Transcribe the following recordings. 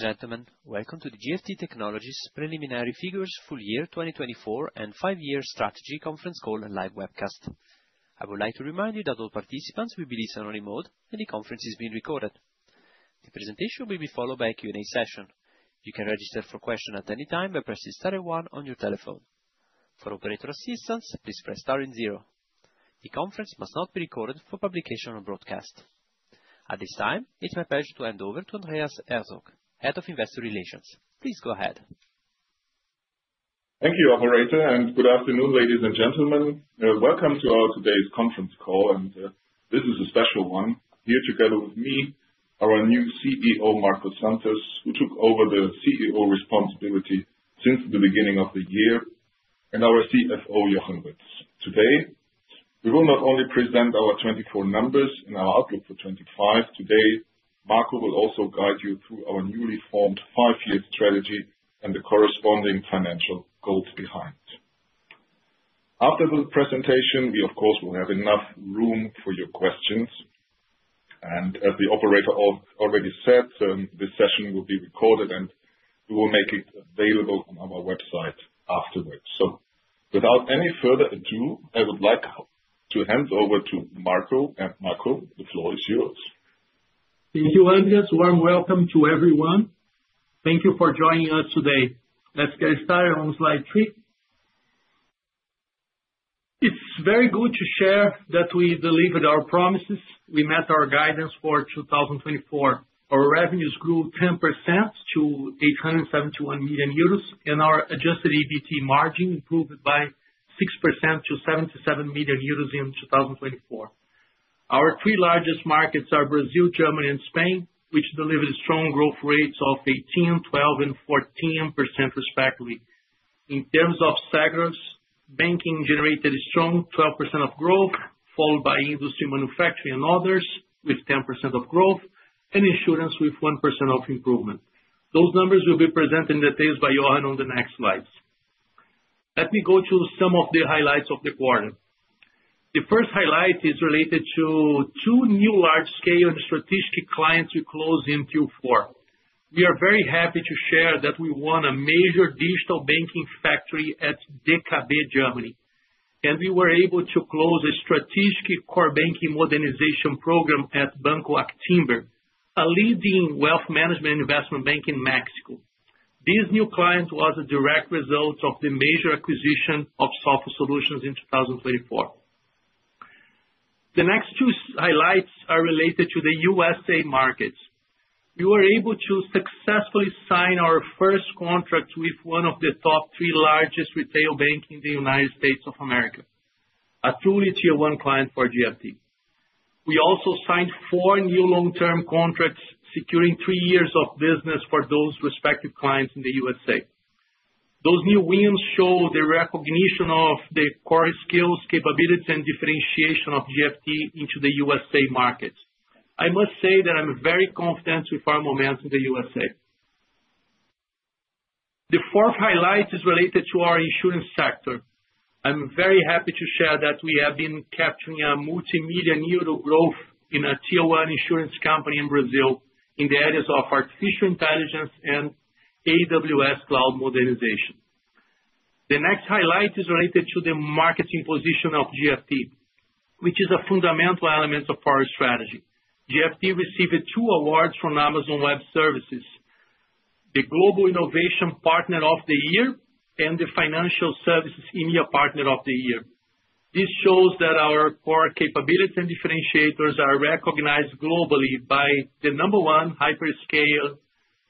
Ladies and gentlemen, welcome to the GFT Technologies Preliminary Figures Full Year 2024 and five Year Strategy Conference Call and Live Webcast. I would like to remind you that all participants will be listened to in only mode, and the conference is being recorded. The presentation will be followed by a Q&A session. You can register for questions at any time by pressing star and one on your telephone. For operator assistance, please press star and zero. The conference must not be recorded for publication or broadcast. At this time, it's my pleasure to hand over to Andreas Herzog, Head of Investor Relations. Please go ahead. Thank you, Operator, and good afternoon, ladies and gentlemen. Welcome to our today's conference call, and this is a special one. Here together with me are our new CEO, Marco Santos, who took over the CEO responsibility since the beginning of the year, and our CFO, Jochen Ruetz. Today, we will not only present our 2024 numbers and our outlook for 2025. Today, Marco will also guide you through our newly formed 5-year strategy and the corresponding financial goals behind it. After the presentation, we, of course, will have enough room for your questions. As the Operator already said, this session will be recorded, and we will make it available on our website afterwards. Without any further ado, I would like to hand over to Marco, and Marco, the floor is yours. Thank you, Andreas. Warm welcome to everyone. Thank you for joining us today. Let's get started on slide three. It's very good to share that we delivered our promises. We met our guidance for 2024. Our revenues grew 10% to 871 million euros, and our adjusted EBITDA margin improved by 6% to 77 million euros in 2024. Our three largest markets are Brazil, Germany, and Spain, which delivered strong growth rates of 18%, 12%, and 14% respectively. In terms of sectors, banking generated a strong 12% of growth, followed by industry, manufacturing, and others with 10% of growth, and insurance with 1% of improvement. Those numbers will be presented in detail by Jochen on the next slides. Let me go to some of the highlights of the quarter. The first highlight is related to two new large-scale and strategic clients we closed in Q4. We are very happy to share that we won a major digital banking factory at DKB Germany, and we were able to close a strategic core banking modernization program at Banco Actinver, a leading wealth management investment bank in Mexico. This new client was a direct result of the major acquisition of Sophos in 2024. The next two highlights are related to the USA markets. We were able to successfully sign our first contract with one of the top three largest retail banks in the United States of America, a truly tier-one client for GFT. We also signed four new long-term contracts, securing three years of business for those respective clients in the USA. Those new wins show the recognition of the core skills, capabilities, and differentiation of GFT into the USA market. I must say that I'm very confident with our momentum in the USA. The fourth highlight is related to our insurance sector. I'm very happy to share that we have been capturing a multimillion eruo growth in a tier-one insurance company in Brazil in the areas of artificial intelligence and AWS cloud modernization. The next highlight is related to the marketing position of GFT, which is a fundamental element of our strategy. GFT received two awards from Amazon Web Services, the Global Innovation Partner of the Year, and the Financial Services India Partner of the Year. This shows that our core capabilities and differentiators are recognized globally by the number one hyperscale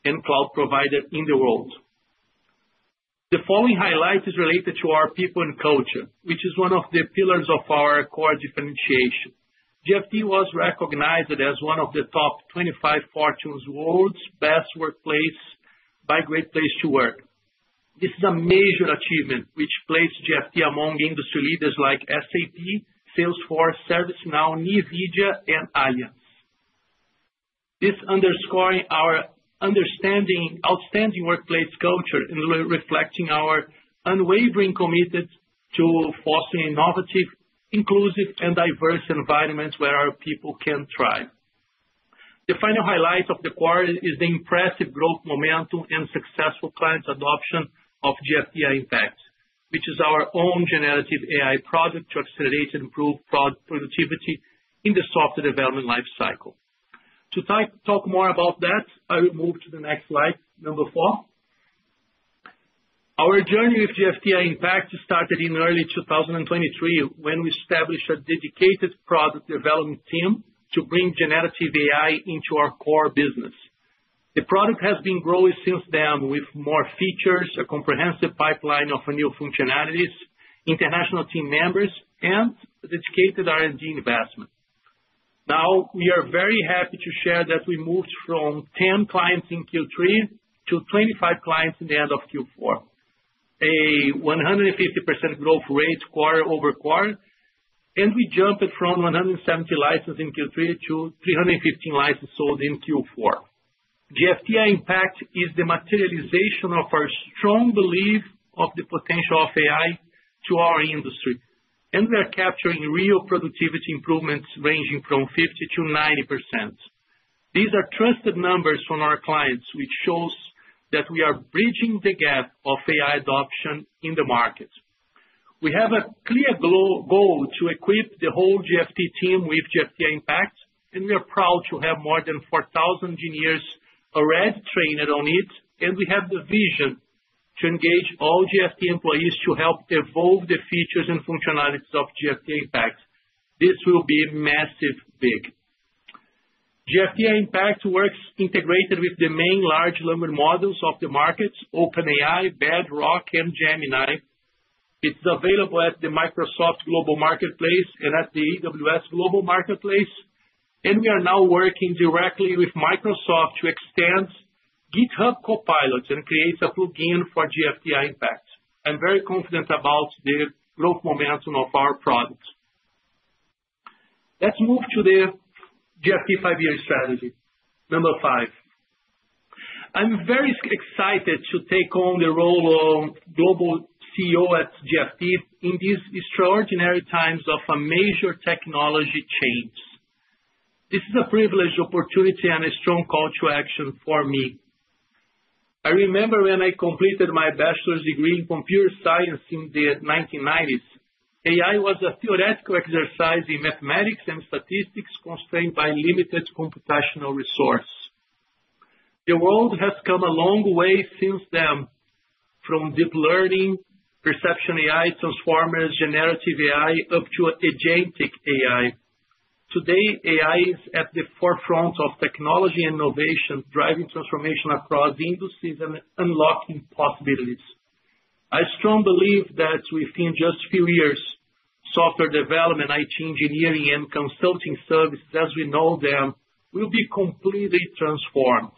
and cloud provider in the world. The following highlight is related to our people and culture, which is one of the pillars of our core differentiation. GFT was recognized as one of the top 25 Fortune's World's Best Workplaces by Great Place to Work. This is a major achievement, which placed GFT among industry leaders like SAP, Salesforce, ServiceNow, Nvidia, and Allianz. This underscores our outstanding workplace culture and reflects our unwavering commitment to fostering innovative, inclusive, and diverse environments where our people can thrive. The final highlight of the quarter is the impressive growth momentum and successful client adoption of GFT Impact, which is our own generative AI product to accelerate and improve productivity in the software development lifecycle. To talk more about that, I will move to the next slide, number four. Our journey with GFT Impact started in early 2023 when we established a dedicated product development team to bring generative AI into our core business. The product has been growing since then with more features, a comprehensive pipeline of new functionalities, international team members, and dedicated R&D investment. Now, we are very happy to share that we moved from 10 clients in Q3 to 25 clients in the end of Q4, a 150% growth rate quarter over quarter, and we jumped from 170 licenses in Q3 to 315 licenses sold in Q4. GFT Impact is the materialization of our strong belief in the potential of AI for our industry, and we are capturing real productivity improvements ranging from 50%-90%. These are trusted numbers from our clients, which shows that we are bridging the gap of AI adoption in the market. We have a clear goal to equip the whole GFT team with GFT Impact, and we are proud to have more than 4,000 engineers already trained on it, and we have the vision to engage all GFT employees to help evolve the features and functionalities of GFT Impact. This will be massive, big. GFT Impact works integrated with the main large language models of the markets: OpenAI, Bedrock, and Gemini. It's available at the Microsoft Global Marketplace and at the AWS Global Marketplace, and we are now working directly with Microsoft to extend GitHub Copilot and create a plugin for GFT Impact. I'm very confident about the growth momentum of our product. Let's move to the GFT five-year strategy, number five. I'm very excited to take on the role of Global CEO at GFT in these extraordinary times of major technology change. This is a privileged opportunity and a strong call to action for me. I remember when I completed my bachelor's degree in computer science in the 1990s, AI was a theoretical exercise in mathematics and statistics constrained by limited computational resources. The world has come a long way since then, from deep learning, perception AI, transformers, generative AI, up to agentic AI. Today, AI is at the forefront of technology and innovation, driving transformation across industries and unlocking possibilities. I strongly believe that within just a few years, software development, IT engineering, and consulting services, as we know them, will be completely transformed.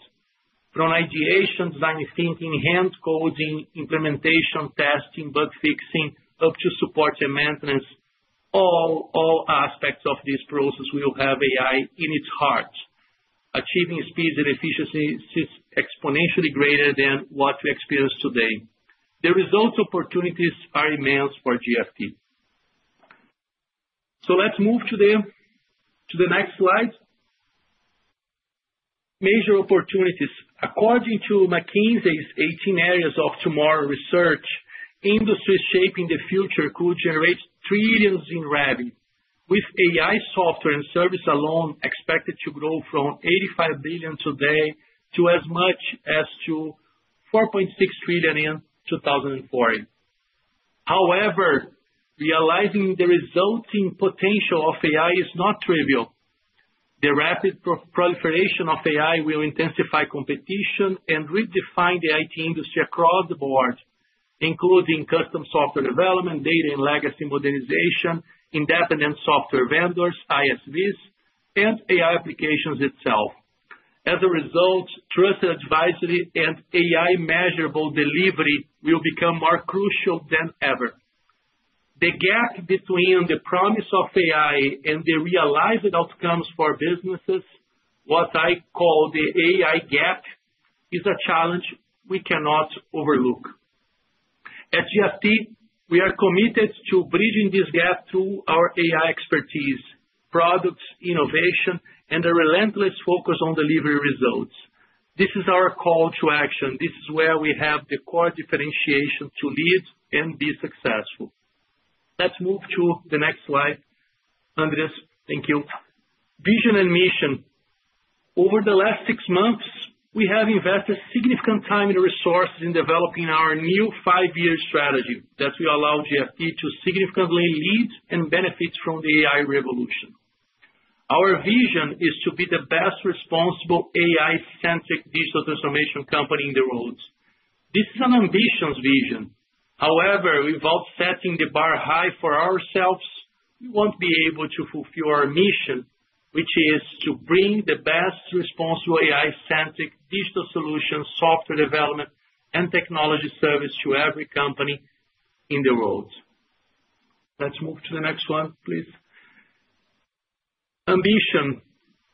From ideation, design thinking, hand coding, implementation, testing, bug fixing, up to support and maintenance, all aspects of this process will have AI in its heart, achieving speeds and efficiencies exponentially greater than what we experience today. The result opportunities are immense for GFT. Let's move to the next slide. Major opportunities. According to McKinsey's 18 Areas of Tomorrow research, industries shaping the future could generate trillions in revenue, with AI software and services alone expected to grow from $85 billion today to as much as $4.6 trillion in 2040. However, realizing the resulting potential of AI is not trivial. The rapid proliferation of AI will intensify competition and redefine the IT industry across the board, including custom software development, data and legacy modernization, independent software vendors, ISVs, and AI applications itself. As a result, trusted advisory and AI measurable delivery will become more crucial than ever. The gap between the promise of AI and the realized outcomes for businesses, what I call the AI gap, is a challenge we cannot overlook. At GFT, we are committed to bridging this gap through our AI expertise, products, innovation, and a relentless focus on delivery results. This is our call to action. This is where we have the core differentiation to lead and be successful. Let's move to the next slide. Andreas, thank you. Vision and mission. Over the last six months, we have invested significant time and resources in developing our new five-year strategy that will allow GFT to significantly lead and benefit from the AI revolution. Our vision is to be the best responsible AI-centric digital transformation company in the world. This is an ambitious vision. However, without setting the bar high for ourselves, we won't be able to fulfill our mission, which is to bring the best responsible AI-centric digital solutions, software development, and technology service to every company in the world. Let's move to the next one, please. Ambition,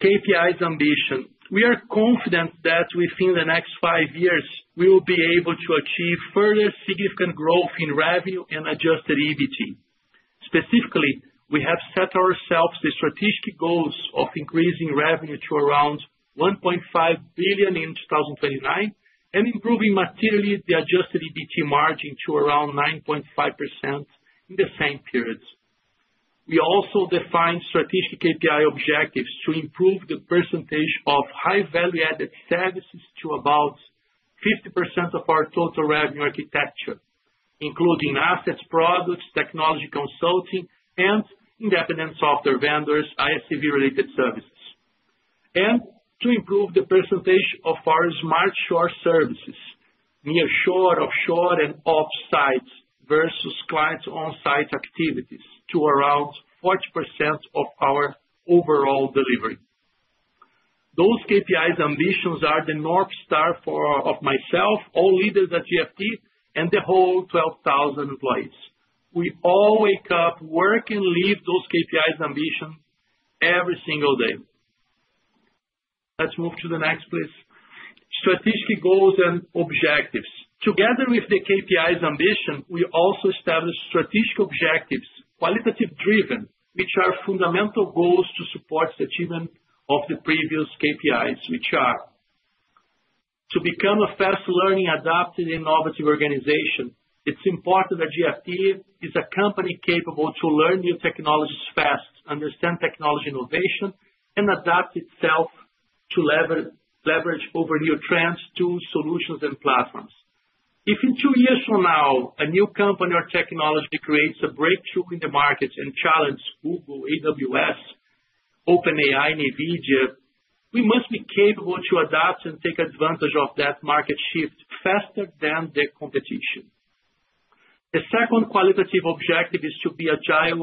KPIs ambition. We are confident that within the next five-years, we will be able to achieve further significant growth in revenue and adjusted EBT. Specifically, we have set ourselves the strategic goals of increasing revenue to around $1.5 billion in 2029 and improving materially the adjusted EBT margin to around 9.5% in the same period. We also defined strategic KPI objectives to improve the percentage of high-value-added services to about 50% of our total revenue architecture, including assets, products, technology consulting, and independent software vendors, ISV-related services, and to improve the percentage of our smart shore services, near shore, offshore, and offsite versus clients onsite activities to around 40% of our overall delivery. Those KPIs ambitions are the North star for myself, all leaders at GFT, and the whole 12,000 employees. We all wake up, work, and live those KPIs ambitions every single day. Let's move to the next, please. Strategic goals and objectives. Together with the KPIs ambition, we also established strategic objectives, qualitative driven, which are fundamental goals to support the achievement of the previous KPIs, which are to become a fast-learning, adaptive, innovative organization. It is important that GFT is a company capable to learn new technologies fast, understand technology innovation, and adapt itself to leverage over new trends, tools, solutions, and platforms. If in two years from now, a new company or technology creates a breakthrough in the market and challenges Google, AWS, OpenAI, and Nvidia, we must be capable to adapt and take advantage of that market shift faster than the competition. The second qualitative objective is to be a giant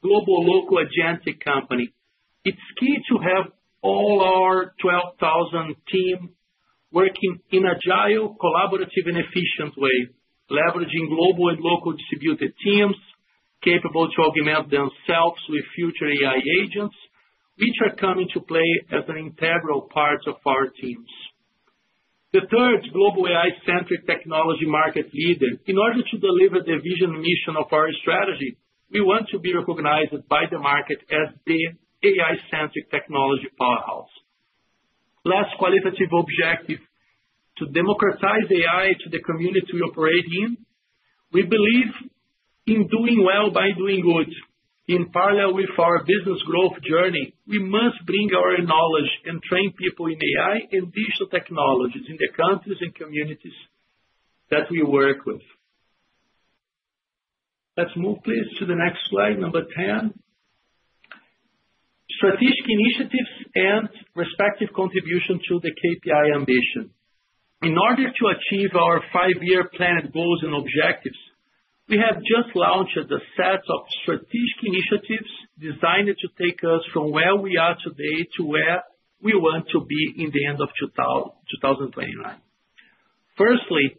global local agentic company. It's key to have all our 12,000 team working in a giant, collaborative, and efficient way, leveraging global and local distributed teams capable to augment themselves with future AI agents, which are coming to play as an integral part of our teams. The third, global AI-centric technology market leader. In order to deliver the vision and mission of our strategy, we want to be recognized by the market as the AI-centric technology powerhouse. Last qualitative objective, to democratize AI to the community we operate in, we believe in doing well by doing good. In parallel with our business growth journey, we must bring our knowledge and train people in AI and digital technologies in the countries and communities that we work with. Let's move, please, to the next slide, number 10. Strategic initiatives and respective contribution to the KPI ambition. In order to achieve our five-year planned goals and objectives, we have just launched a set of strategic initiatives designed to take us from where we are today to where we want to be in the end of 2029. Firstly,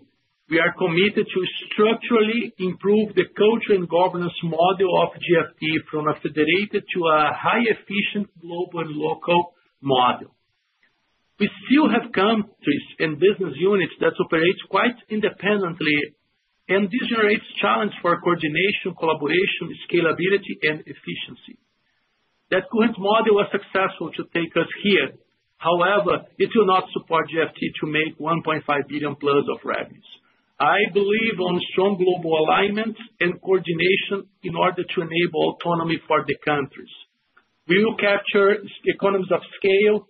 we are committed to structurally improve the culture and governance model of GFT from a federated to a high-efficient global and local model. We still have countries and business units that operate quite independently, and this generates challenges for coordination, collaboration, scalability, and efficiency. That current model was successful to take us here. However, it will not support GFT to make $1.5 billion plus of revenues. I believe in strong global alignment and coordination in order to enable autonomy for the countries. We will capture economies of scale,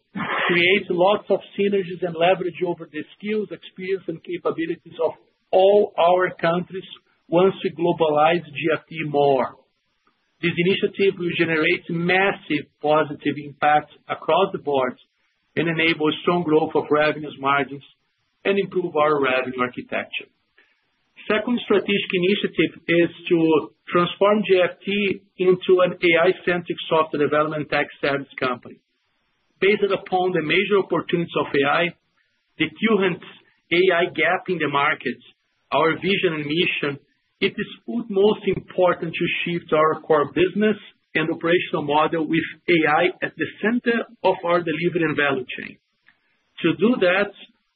create lots of synergies, and leverage over the skills, experience, and capabilities of all our countries once we globalize GFT more. This initiative will generate massive positive impacts across the board and enable strong growth of revenue margins and improve our revenue architecture. The second strategic initiative is to transform GFT into an AI-centric software development tech service company. Based upon the major opportunities of AI, the current AI gap in the market, our vision and mission, it is most important to shift our core business and operational model with AI at the center of our delivery and value chain. To do that,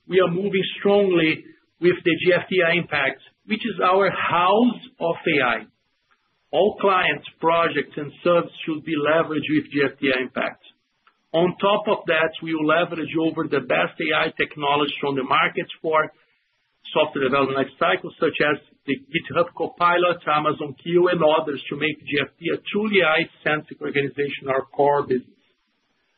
we are moving strongly with the GFT Impact, which is our house of AI. All clients, projects, and services should be leveraged with GFT Impact. On top of that, we will leverage over the best AI technologies from the market for software development life cycle, such as GitHub Copilot, Amazon Q, and others to make GFT a truly AI-centric organization, our core business.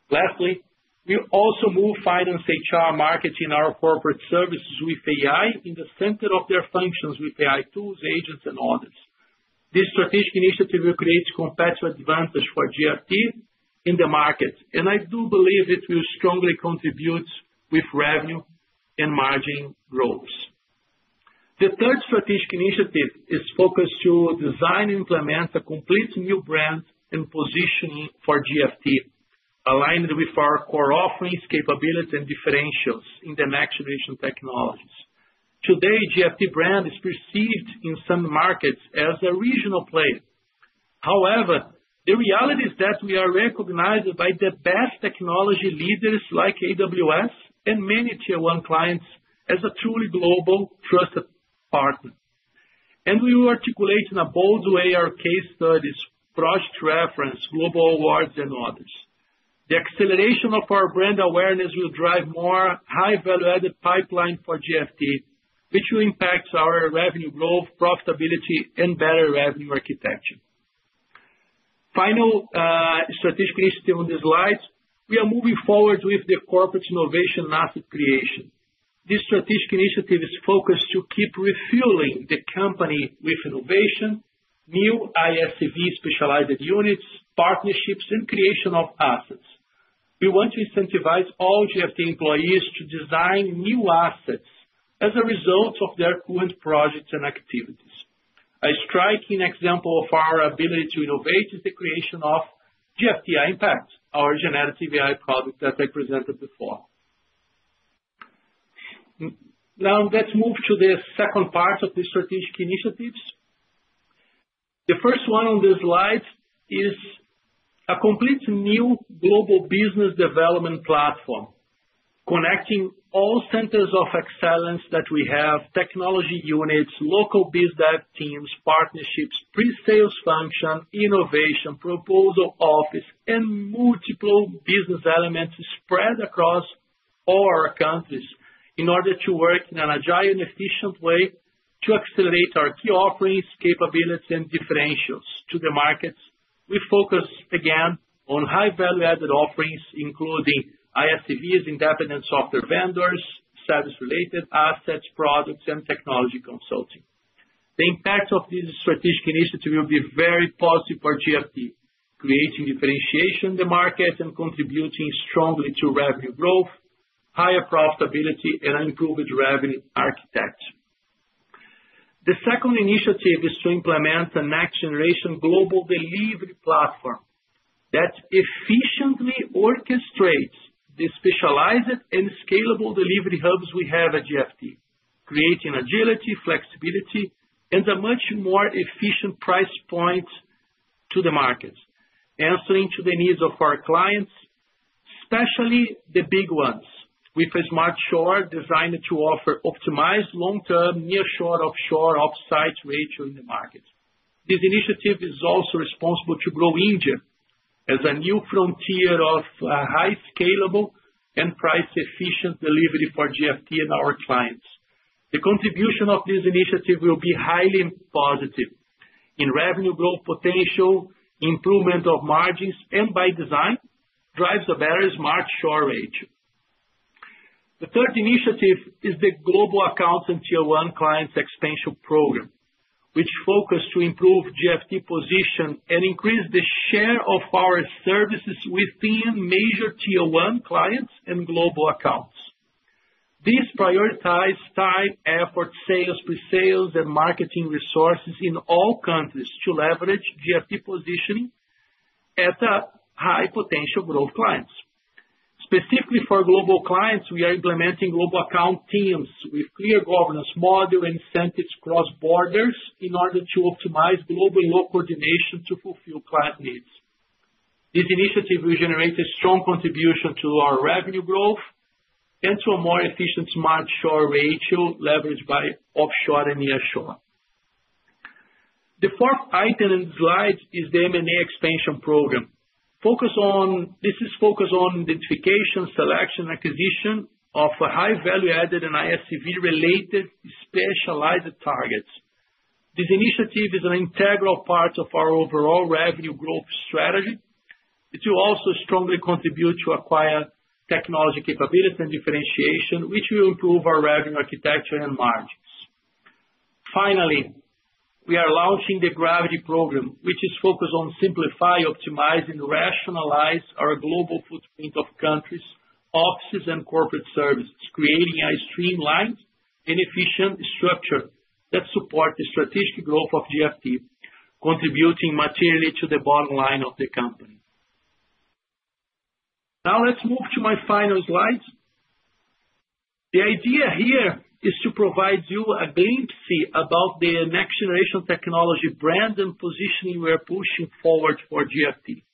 Lastly, we also move finance, HR, marketing, and our corporate services with AI in the center of their functions with AI tools, agents, and others. This strategic initiative will create competitive advantage for GFT in the market, and I do believe it will strongly contribute with revenue and margin growth. The third strategic initiative is focused on designing and implementing a completely new brand and positioning for GFT, aligned with our core offerings, capabilities, and differentials in the next generation technologies. Today, GFT brand is perceived in some markets as a regional player. However, the reality is that we are recognized by the best technology leaders like AWS and many Tier one clients as a truly global trusted partner. We will articulate in a bold way our case studies, project reference, global awards, and others. The acceleration of our brand awareness will drive more high-value-added pipeline for GFT, which will impact our revenue growth, profitability, and better revenue architecture. Final strategic initiative on the slide. We are moving forward with the corporate innovation and asset creation. This strategic initiative is focused on keeping refueling the company with innovation, new ISV specialized units, partnerships, and creation of assets. We want to incentivize all GFT employees to design new assets as a result of their current projects and activities. A striking example of our ability to innovate is the creation of GFT Impact, our generative AI product that I presented before. Now, let's move to the second part of the strategic initiatives. The first one on the slide is a completely new global business development platform, connecting all centers of excellence that we have, technology units, local business teams, partnerships, pre-sales function, innovation, proposal office, and multiple business elements spread across all our countries in order to work in an agile and efficient way to accelerate our key offerings, capabilities, and differentials to the markets. We focus, again, on high-value-added offerings, including ISVs, independent software vendors, service-related assets, products, and technology consulting. The impact of this strategic initiative will be very positive for GFT, creating differentiation in the market and contributing strongly to revenue growth, higher profitability, and improved revenue architecture. The second initiative is to implement a next-generation global delivery platform that efficiently orchestrates the specialized and scalable delivery hubs we have at GFT, creating agility, flexibility, and a much more efficient price point to the markets, answering to the needs of our clients, especially the big ones, with a smart shore designed to offer optimized long-term, nearshore, offshore, offsite rates in the market. This initiative is also responsible to grow India as a new frontier of high-scalable and price-efficient delivery for GFT and our clients. The contribution of this initiative will be highly positive in revenue growth potential, improvement of margins, and by design, drives a better smart shore rate. The third initiative is the global accounts and Tier one clients expansion program, which focuses on improving GFT position and increasing the share of our services within major Tier one clients and global accounts. This prioritizes time, effort, sales, pre-sales, and marketing resources in all countries to leverage GFT positioning at high-potential growth clients. Specifically for global clients, we are implementing global account teams with clear governance model and incentives cross-borders in order to optimize global and local coordination to fulfill client needs. This initiative will generate a strong contribution to our revenue growth and to a more efficient smart shore ratio leveraged by offshore and nearshore. The fourth item on the slide is the M&A expansion program. This is focused on identification, selection, and acquisition of high-value-added and ISV-related specialized targets. This initiative is an integral part of our overall revenue growth strategy. It will also strongly contribute to acquiring technology capabilities and differentiation, which will improve our revenue architecture and margins. Finally, we are launching the Gravity Program, which is focused on simplifying, optimizing, and rationalizing our global footprint of countries, offices, and corporate services, creating a streamlined and efficient structure that supports the strategic growth of GFT, contributing materially to the bottom line of the company. Now, let's move to my final slides. The idea here is to provide you a glimpse about the next-generation technology brand and positioning we are pushing forward for GFT.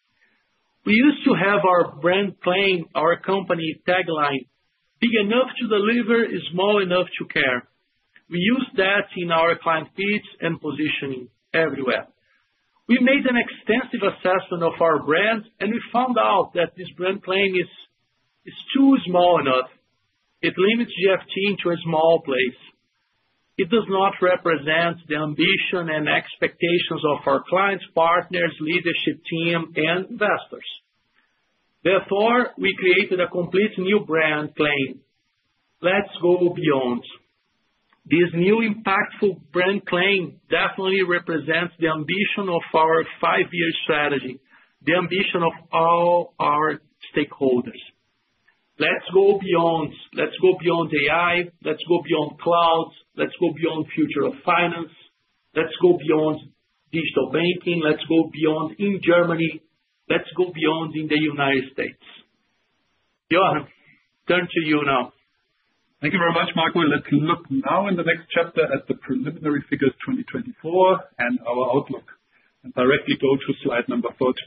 We used to have our brand claim, our company tagline, "Big enough to deliver, small enough to care." We used that in our client feeds and positioning everywhere. We made an extensive assessment of our brand, and we found out that this brand claim is too small enough. It limits GFT into a small place. It does not represent the ambition and expectations of our clients, partners, leadership team, and investors. Therefore, we created a completely new brand claim, "Let's go beyond." This new impactful brand claim definitely represents the ambition of our five-year strategy, the ambition of all our stakeholders. Let's go beyond. Let's go beyond AI. Let's go beyond clouds. Let's go beyond the future of finance. Let's go beyond digital banking. Let's go beyond in Germany. Let's go beyond in the United States. Jochen, turn to you now. Thank you very much, Marco. Let's look now in the next chapter at the preliminary figures 2024 and our outlook, and directly go to slide number 14.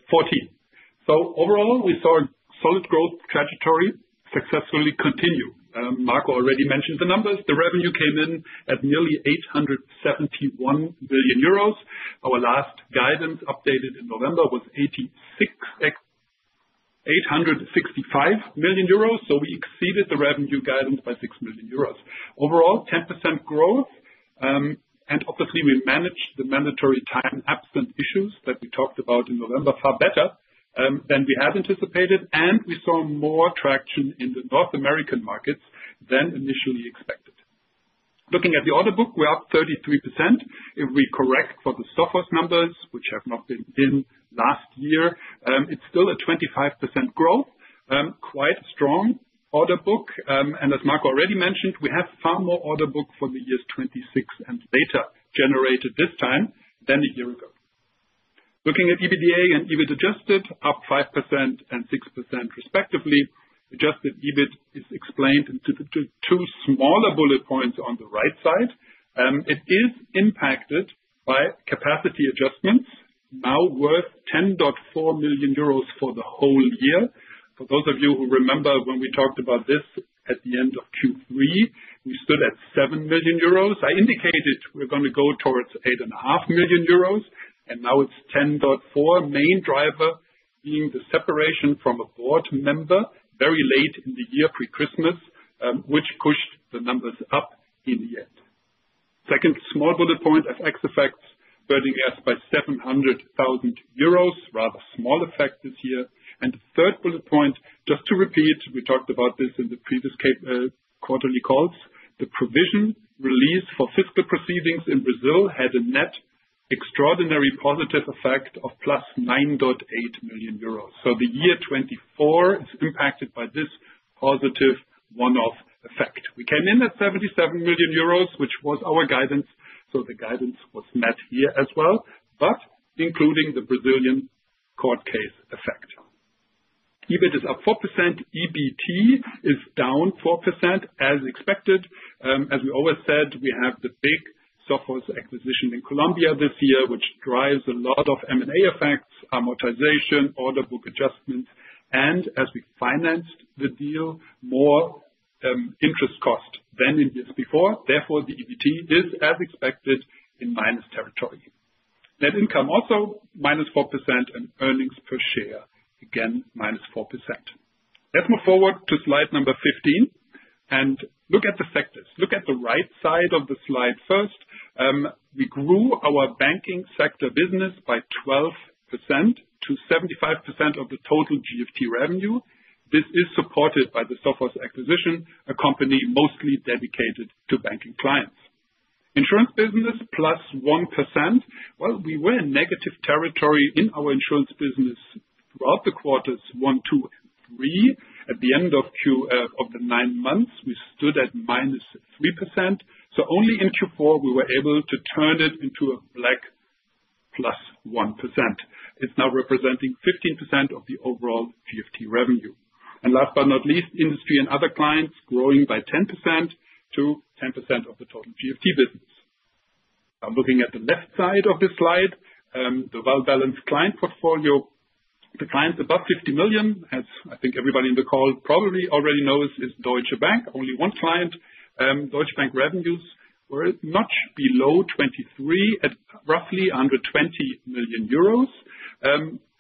Overall, we saw a solid growth trajectory successfully continue. Marco already mentioned the numbers. The revenue came in at nearly 871 million euros. Our last guidance updated in November was 865 million euros, so we exceeded the revenue guidance by 6 million euros. Overall, 10% growth. Obviously, we managed the mandatory time-absent issues that we talked about in November far better than we had anticipated, and we saw more traction in the North American markets than initially expected. Looking at the order book, we are up 33%. If we correct for the Sophos numbers, which have not been in last year, it is still a 25% growth, quite a strong order book. As Marco already mentioned, we have far more order book for the years 2026 and later generated this time than a year ago. Looking at EBITDA and EBIT adjusted, up 5% and 6% respectively. Adjusted EBIT is explained in two smaller bullet points on the right side. It is impacted by capacity adjustments, now worth 10.4 million euros for the whole year. For those of you who remember when we talked about this at the end of Q3, we stood at 7 million euros. I indicated we're going to go towards 8.5 million euros, and now it's 10.4 million, main driver being the separation from a board member very late in the year pre-Christmas, which pushed the numbers up in the end. Second small bullet point, FX effects, burning gas by 700,000 euros, rather small effect this year. The third bullet point, just to repeat, we talked about this in the previous quarterly calls, the provision release for fiscal proceedings in Brazil had a net extraordinary positive effect of 9.8 million euros. The year 2024 is impacted by this positive one-off effect. We came in at 77 million euros, which was our guidance, so the guidance was met here as well, but including the Brazilian court case effect. EBIT is up 4%. EBT is down 4% as expected. As we always said, we have the big Sophos acquisition in Colombia this year, which drives a lot of M&A effects, amortization, order book adjustments, and as we financed the deal, more interest cost than in years before. Therefore, the EBT is, as expected, in minus territory. Net income also minus 4% and earnings per share, again, minus 4%. Let's move forward to slide number 15 and look at the sectors. Look at the right side of the slide first. We grew our banking sector business by 12%-75% of the total GFT revenue. This is supported by the Sophos acquisition, a company mostly dedicated to banking clients. Insurance business plus 1%. We were in negative territory in our insurance business throughout the quarters one, two, and three. At the end of the nine months, we stood at minus 3%. Only in Q4, we were able to turn it into a black plus 1%. It is now representing 15% of the overall GFT revenue. Last but not least, industry and other clients growing by 10%-10% of the total GFT business. Looking at the left side of the slide, the well-balanced client portfolio, the clients above 50 million, as I think everybody in the call probably already knows, is Deutsche Bank. Only one client, Deutsche Bank revenues were much below 2023 at roughly 120 million euros.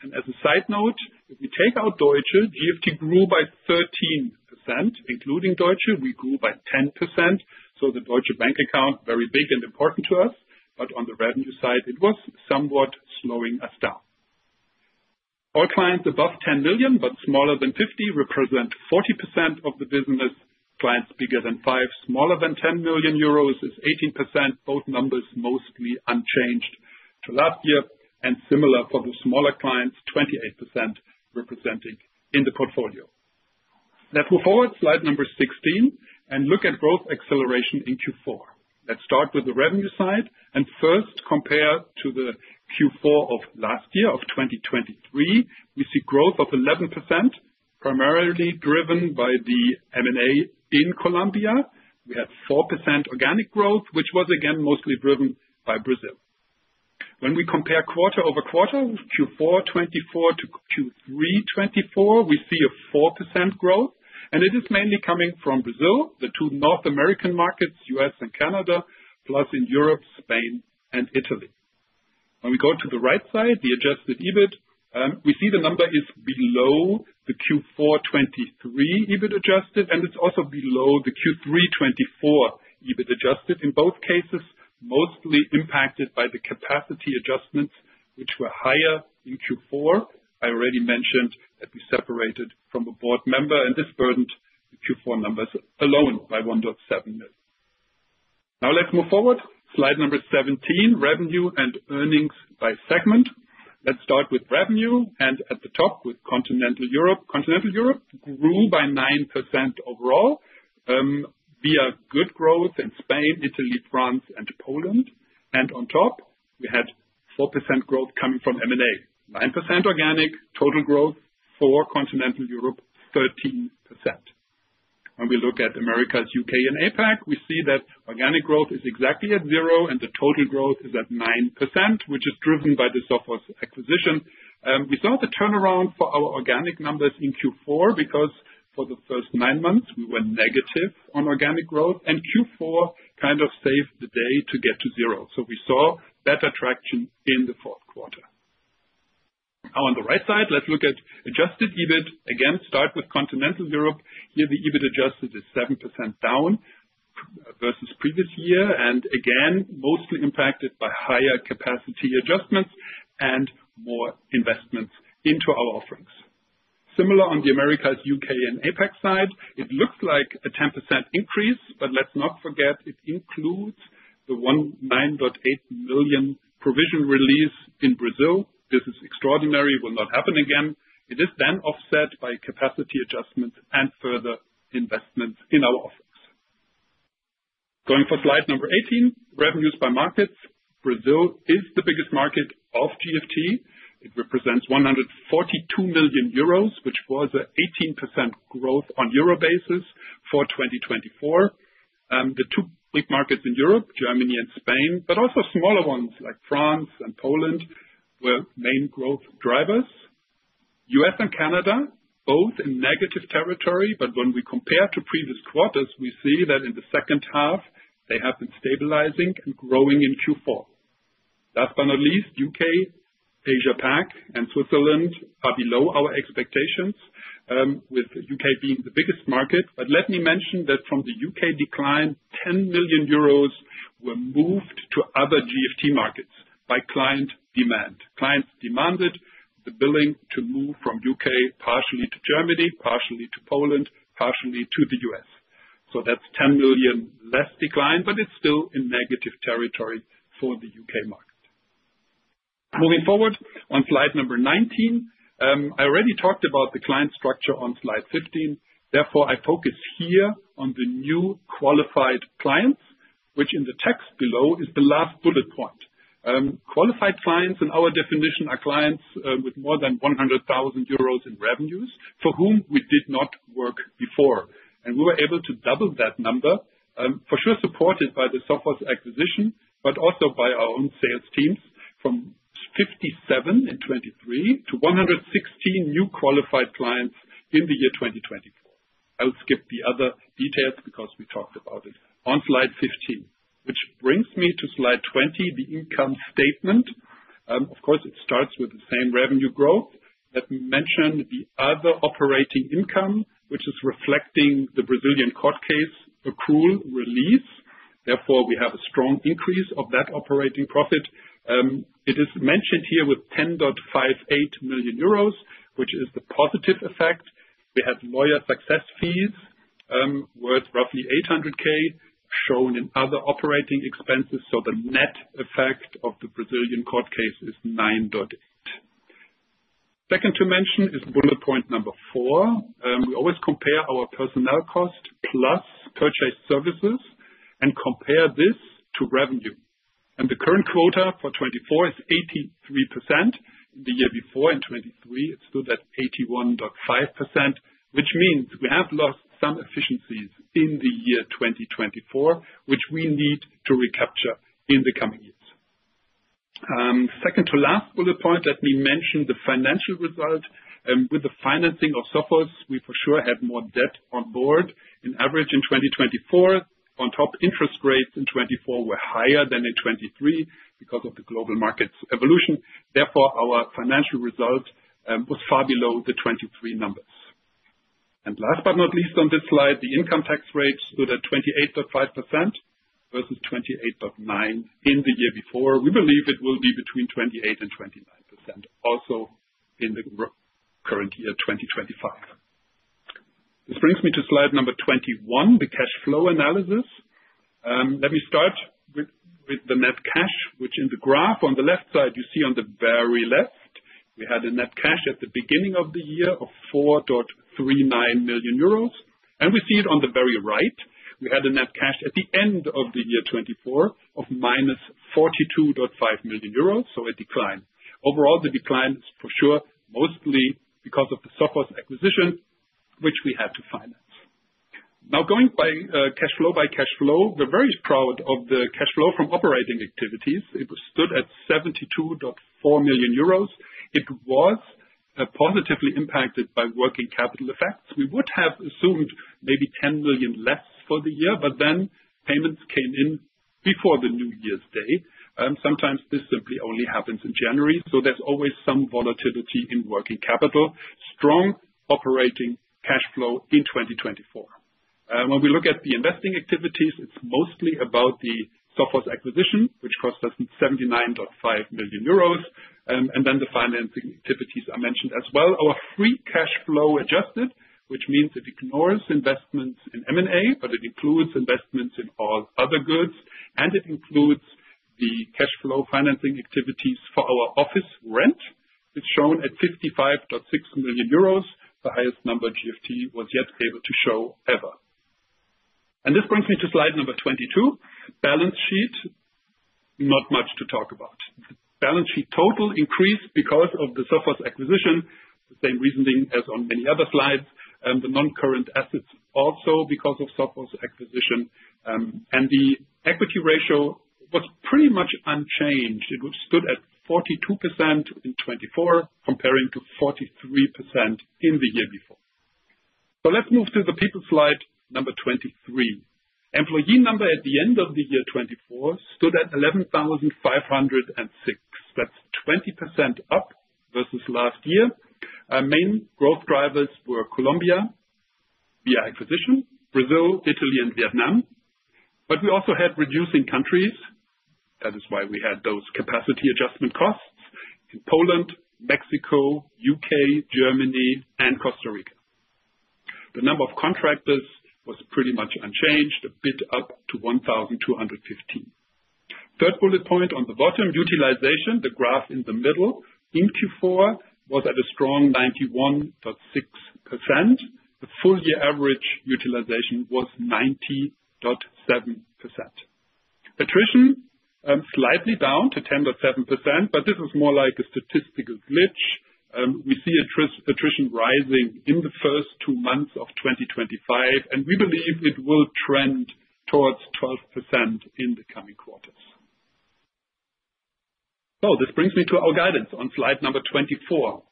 As a side note, if we take out Deutsche, GFT grew by 13%. Including Deutsche, we grew by 10%. The Deutsche Bank account, very big and important to us, but on the revenue side, it was somewhat slowing us down. All clients above 10 million but smaller than 50 represent 40% of the business. Clients bigger than 5 million, smaller than 10 million euros is 18%. Both numbers mostly unchanged to last year. Similar for the smaller clients, 28% representing in the portfolio. Let's move forward to slide number 16 and look at growth acceleration in Q4. Let's start with the revenue side and first compare to the Q4 of last year, of 2023. We see growth of 11%, primarily driven by the M&A in Colombia. We had 4% organic growth, which was, again, mostly driven by Brazil. When we compare quarter over quarter, Q4 2024-Q3 2024, we see a 4% growth, and it is mainly coming from Brazil, the two North American markets, U.S. and Canada, plus in Europe, Spain, and Italy. When we go to the right side, the adjusted EBIT, we see the number is below the Q4 2023 EBIT adjusted, and it's also below the Q3 2024 EBIT adjusted. In both cases, mostly impacted by the capacity adjustments, which were higher in Q4. I already mentioned that we separated from a board member, and this burdened the Q4 numbers alone by 1.7 million. Now, let's move forward. Slide number 17, revenue and earnings by segment. Let's start with revenue, and at the top with continental Europe. Continental Europe grew by 9% overall. We are good growth in Spain, Italy, France, and Poland. On top, we had 4% growth coming from M&A, 9% organic, total growth for continental Europe, 13%. When we look at Americas, UK, and APAC, we see that organic growth is exactly at zero, and the total growth is at 9%, which is driven by the Sophos acquisition. We saw the turnaround for our organic numbers in Q4 because for the first nine months, we were negative on organic growth, and Q4 kind of saved the day to get to zero. We saw better traction in the fourth quarter. Now, on the right side, let's look at adjusted EBIT. Again, start with continental Europe. Here, the EBIT adjusted is 7% down versus previous-year, and again, mostly impacted by higher capacity adjustments and more investments into our offerings. Similar on the Americas, UK, and APAC side, it looks like a 10% increase, but let's not forget it includes the 19.8 million provision release in Brazil. This is extraordinary, will not happen again. It is then offset by capacity adjustments and further investments in our offerings. Going for slide number 18, revenues by markets. Brazil is the biggest market of GFT. It represents 142 million euros, which was an 18% growth on euro basis for 2024. The two big markets in Europe, Germany and Spain, but also smaller ones like France and Poland, were main growth drivers. U.S. and Canada, both in negative territory, but when we compare to previous quarters, we see that in the second half, they have been stabilizing and growing in Q4. Last but not least, UK, Asia-Pac, and Switzerland are below our expectations, with the UK being the biggest market. Let me mention that from the UK decline, 10 million euros were moved to other GFT markets by client demand. Clients demanded the billing to move from UK partially to Germany, partially to Poland, partially to the U.S., That is 10 million less decline, but it is still in negative territory for the UK market. Moving forward, on slide number 19, I already talked about the client structure on slide 15. Therefore, I focus here on the new qualified clients, which in the text below is the last bullet point. Qualified clients, in our definition, are clients with more than 100,000 euros in revenues for whom we did not work before. We were able to double that number, for sure supported by the Sophos acquisition, but also by our own sales teams from 57 in 2023 to 116 new qualified clients in the year 2024. I'll skip the other details because we talked about it on slide 15, which brings me to slide 20, the income statement. Of course, it starts with the same revenue growth. Let me mention the other operating income, which is reflecting the Brazilian court case, accrual release. Therefore, we have a strong increase of that operating profit. It is mentioned here with 10.58 million euros, which is the positive effect. We had lawyer success fees worth roughly 800,000 shown in other operating expenses. The net effect of the Brazilian court case is 9.8 million. Second to mention is bullet point number four. We always compare our personnel cost plus purchase services and compare this to revenue. The current quota for 2024 is 83%. The year before, in 2023, it stood at 81.5%, which means we have lost some efficiencies in the year 2024, which we need to recapture in the coming years. Second to last bullet point, let me mention the financial result. With the financing of Sophos, we for sure had more debt on board. In average, in 2024, on top, interest rates in 2024 were higher than in 2023 because of the global markets evolution. Therefore, our financial result was far below the 2023 numbers. Last but not least on this slide, the income tax rate stood at 28.5% versus 28.9% in the year before. We believe it will be between 28% and 29% also in the current year, 2025. This brings me to slide number 21, the cash flow analysis. Let me start with the net cash, which in the graph on the left side, you see on the very left, we had a net cash at the beginning of the year of 4.39 million euros. You see on the very right, we had a net cash at the end of the year 2024 of minus 42.5 million euros, so a decline. Overall, the decline is for sure mostly because of the Sophos acquisition, which we had to finance. Now, going by cash flow by cash flow, we are very proud of the cash flow from operating activities. It stood at 72.4 million euros. It was positively impacted by working capital effects. We would have assumed maybe 10 million less for the year, but then payments came in before the New Year's Day. Sometimes this simply only happens in January, so there is always some volatility in working capital. Strong operating cash flow in 2024. When we look at the investing activities, it is mostly about the Sophos acquisition, which cost us 79.5 million euros. The financing activities are mentioned as well. Our free cash flow adjusted, which means it ignores investments in M&A, but it includes investments in all other goods, and it includes the cash flow financing activities for our office rent. It is shown at 55.6 million euros, the highest number GFT was yet able to show ever. This brings me to slide number 22, balance sheet, not much to talk about. The balance sheet total increased because of the Sophos acquisition, the same reasoning as on many other slides. The non-current assets also because of Sophos acquisition, and the equity ratio was pretty much unchanged. It stood at 42% in 2024, comparing to 43% in the year before. Let's move to the people slide number 23. Employee number at the end of the year 2024 stood at 11,506. That's 20% up versus last year. Main growth drivers were Colombia via acquisition, Brazil, Italy, and Vietnam. We also had reducing countries. That is why we had those capacity adjustment costs in Poland, Mexico, UK, Germany, and Costa Rica. The number of contractors was pretty much unchanged, a bit up to 1,215. Third bullet point on the bottom, utilization, the graph in the middle, in Q4 was at a strong 91.6%. The full year average utilization was 90.7%. Attrition slightly down to 10.7%, but this is more like a statistical glitch. We see attrition rising in the first two months of 2025, and we believe it will trend towards 12% in the coming quarters. This brings me to our guidance on slide number 24.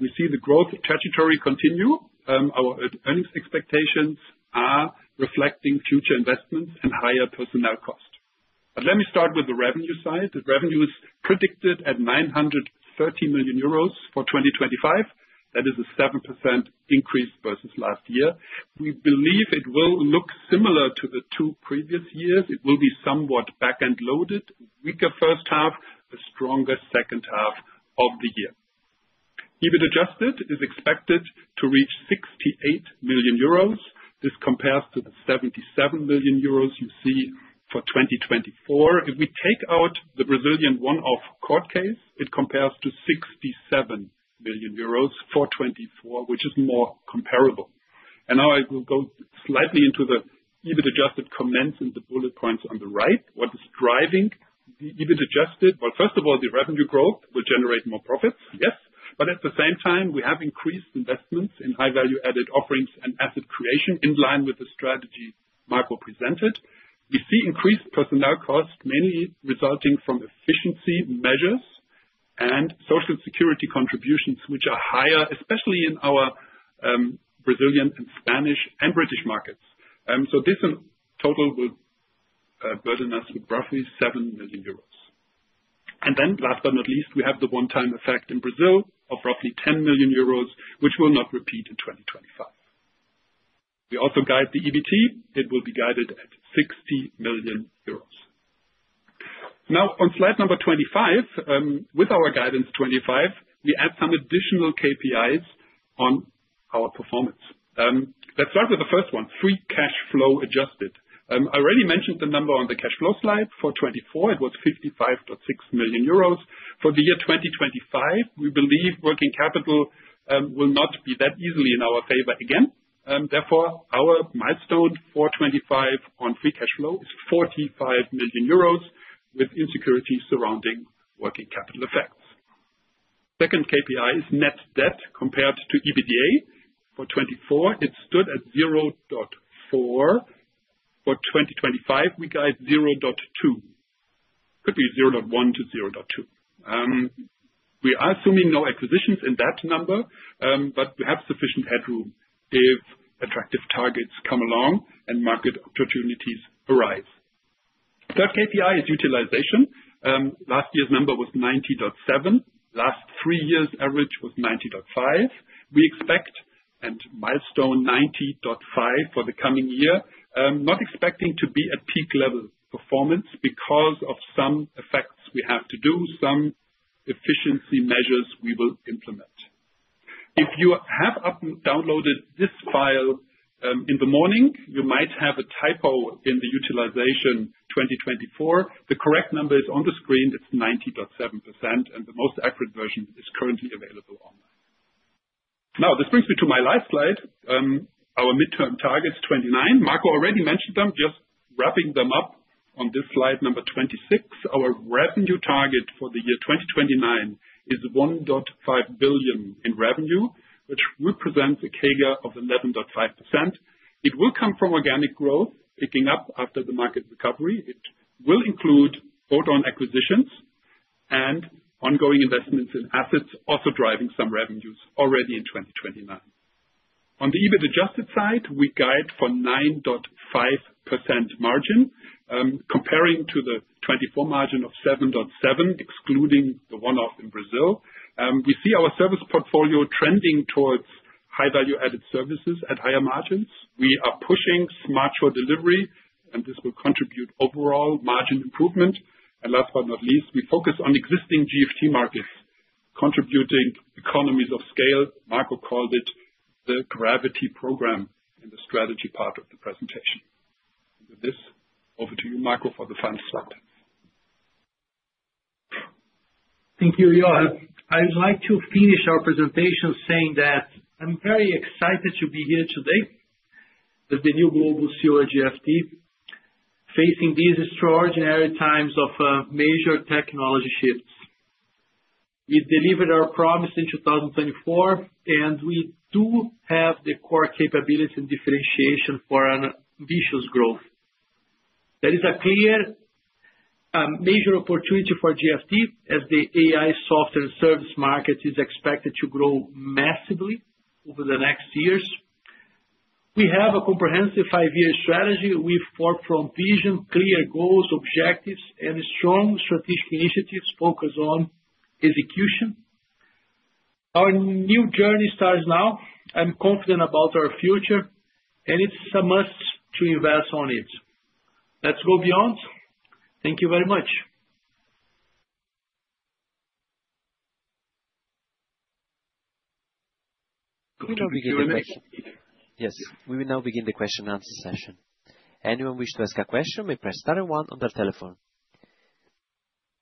We see the growth trajectory continue. Our earnings expectations are reflecting future investments and higher personnel cost. Let me start with the revenue side. The revenue is predicted at 930 million euros for 2025. That is a 7% increase versus last-year. We believe it will look similar to the two previous years. It will be somewhat back-end loaded, weaker first half, a stronger second half of the year. EBIT adjusted is expected to reach 68 million euros. This compares to the 77 million euros you see for 2024. If we take out the Brazilian one-off court case, it compares to 67 million euros for 2024, which is more comparable. I will go slightly into the EBIT adjusted comments in the bullet points on the right. What is driving the EBIT adjusted? First of all, the revenue growth will generate more profits, yes. At the same time, we have increased investments in high-value added offerings and asset creation in line with the strategy Marco presented. We see increased personnel cost, mainly resulting from efficiency measures and social security contributions, which are higher, especially in our Brazilian, Spanish, and British markets. This in total will burden us with roughly 7 million euros. Last but not least, we have the one-time effect in Brazil of roughly 10 million euros, which will not repeat in 2025. We also guide the EBT. It will be guided at 60 million euros. Now, on slide number 25, with our guidance 25, we add some additional KPIs on our performance. Let's start with the first one, free cash flow adjusted. I already mentioned the number on the cash flow slide. For 2024, it was 55.6 million euros. For the year 2025, we believe working capital will not be that easily in our favor again. Therefore, our milestone for 2025 on free cash flow is 45 million euros with insecurity surrounding working capital effects. Second KPI is net debt compared to EBITDA. For 2024, it stood at 0.4. For 2025, we guide 0.2. It could be 0.1-0.2. We are assuming no acquisitions in that number, but we have sufficient headroom if attractive targets come along and market opportunities arise. Third KPI is utilization. Last year's number was 90.7. Last three years' average was 90.5. We expect and milestone 90.5 for the coming year. Not expecting to be at peak level performance because of some effects we have to do, some efficiency measures we will implement. If you have downloaded this file in the morning, you might have a typo in the utilization 2024. The correct number is on the screen. It's 90.7%, and the most accurate version is currently available online. Now, this brings me to my last slide. Our midterm target is 29. Marco already mentioned them. Just wrapping them up on this slide number 26, our revenue target for the year 2029 is 1.5 billion in revenue, which represents a CAGR of 11.5%. It will come from organic growth, picking up after the market recovery. It will include hold-on acquisitions and ongoing investments in assets also driving some revenues already in 2029. On the EBIT adjusted side, we guide for 9.5% margin. Comparing to the 2024 margin of 7.7, excluding the one-off in Brazil, we see our service portfolio trending towards high-value added services at higher margins. We are pushing smart shore delivery, and this will contribute overall margin improvement. Last but not least, we focus on existing GFT markets, contributing economies of scale. Marco called it the Gravity Program in the strategy part of the presentation. With this, over to you, Marco, for the final slide. Thank you, Jochen. I'd like to finish our presentation saying that I'm very excited to be here today with the new global GFT facing these extraordinary times of major technology shifts. We delivered our promise in 2024, and we do have the core capability and differentiation for ambitious growth. That is a clear major opportunity for GFT as the AI software service market is expected to grow massively over the next years. We have a comprehensive five-year strategy with forefront vision, clear goals, objectives, and strong strategic initiatives focused on execution. Our new journey starts now. I'm confident about our future, and it's a must to invest on it. Let's go beyond. Thank you very much. We will now begin the question and answer session. Anyone wishing to ask a question may press star one on their telephone.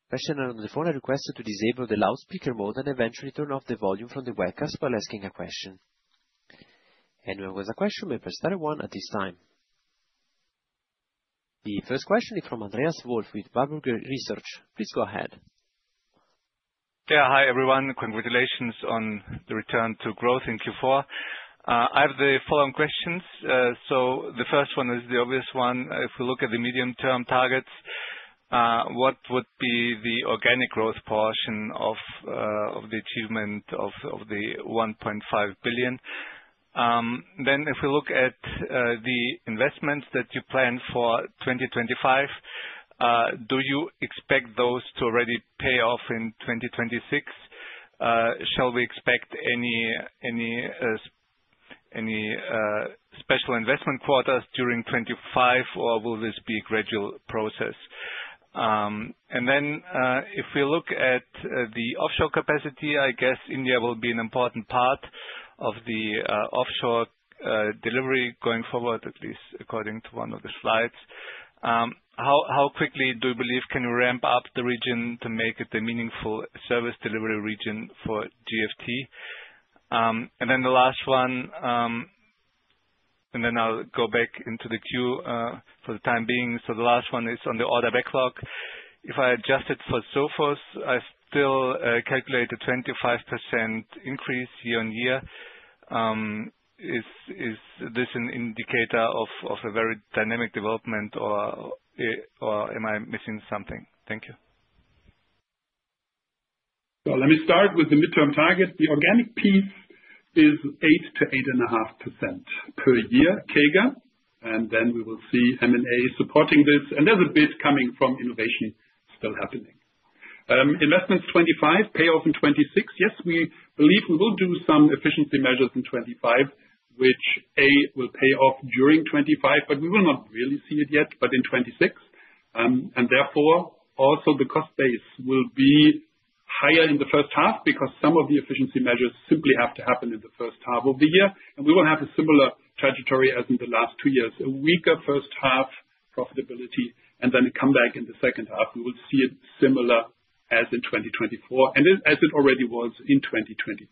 Questioner on the phone is requested to disable the loudspeaker mode and eventually turn off the volume from the webcast while asking a question. Anyone with a question may press star one at this time. The first question is from Andreas Wolf with Warburg Research. Please go ahead. Yeah, hi everyone. Congratulations on the return to growth in Q4. I have the following questions. The first one is the obvious one. If we look at the medium-term targets, what would be the organic growth portion of the achievement of the 1.5 billion? If we look at the investments that you plan for 2025, do you expect those to already pay off in 2026? Shall we expect any special investment quarters during 2025, or will this be a gradual process? If we look at the offshore capacity, I guess India will be an important part of the offshore delivery going forward, at least according to one of the slides. How quickly do you believe you can ramp up the region to make it a meaningful service delivery region for GFT? The last one, and then I'll go back into the queue for the time being. The last one is on the order backlog. If I adjust it for Sophos, I still calculate a 25% increase year on year. Is this an indicator of a very dynamic development, or am I missing something? Thank you. Let me start with the midterm target. The organic piece is 8%-8.5% per year CAGR, and then we will see M&A supporting this. There is a bit coming from innovation still happening. Investments 2025 pay off in 2026. Yes, we believe we will do some efficiency measures in 2025, which A will pay off during 2025, but we will not really see it yet, but in 2026. Therefore, also the cost base will be higher in the first half because some of the efficiency measures simply have to happen in the first half of the year. We will have a similar trajectory as in the last two-years. A weaker first half profitability, and then come back in the second half. We will see it similar as in 2024 and as it already was in 2023.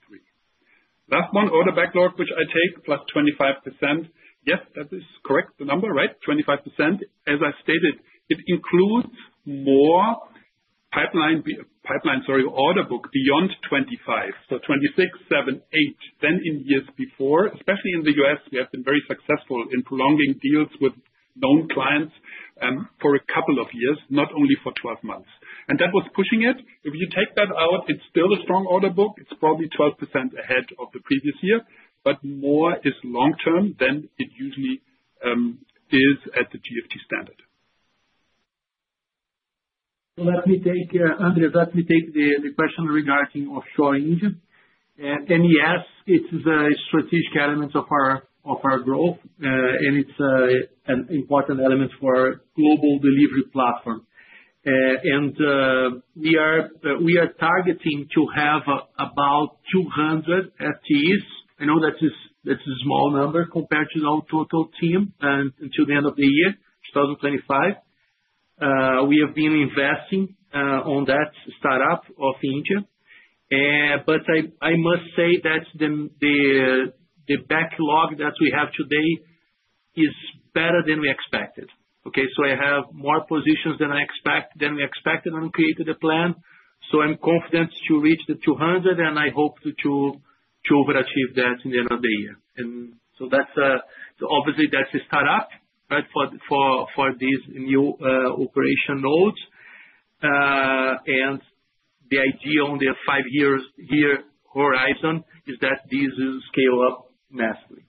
Last one, order backlog, which I take plus 25%. Yes, that is correct, the number, right? 25%. As I stated, it includes more pipeline, sorry, order book beyond 2025. So 2026, 2027, 2028, than in years before, especially in the U.S., we have been very successful in prolonging deals with known clients for a couple of years, not only for 12 months. That was pushing it. If you take that out, it is still a strong order book. It is probably 12% ahead of the previous year, but more is long-term than it usually is at the GFT standard. Let me take, Andreas, let me take the question regarding offshore in India. Yes, it is a strategic element of our growth, and it's an important element for our global delivery platform. We are targeting to have about 200 FTEs. I know that's a small number compared to our total team until the end of the year, 2025. We have been investing on that startup of India. I must say that the backlog that we have today is better than we expected. Okay? I have more positions than we expected when we created the plan. I am confident to reach the 200, and I hope to overachieve that in the end of the year. That is obviously a startup for these new operation nodes. The idea on the five-year horizon is that these will scale up massively.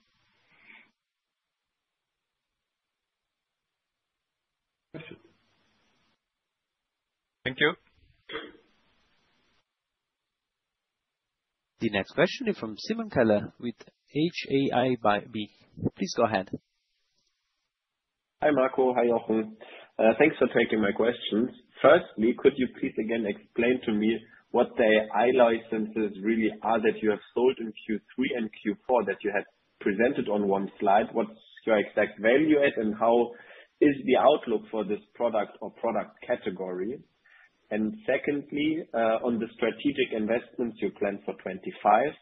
Thank you. The next question is from Simon Keller with Hauck Aufhäuser. Please go ahead. Hi Marco, hi Jochen. Thanks for taking my questions. Firstly, could you please again explain to me what the AI licenses really are that you have sold in Q3 and Q4 that you had presented on one slide? What's your exact value at, and how is the outlook for this product or product category? Secondly, on the strategic investments you plan for 2025,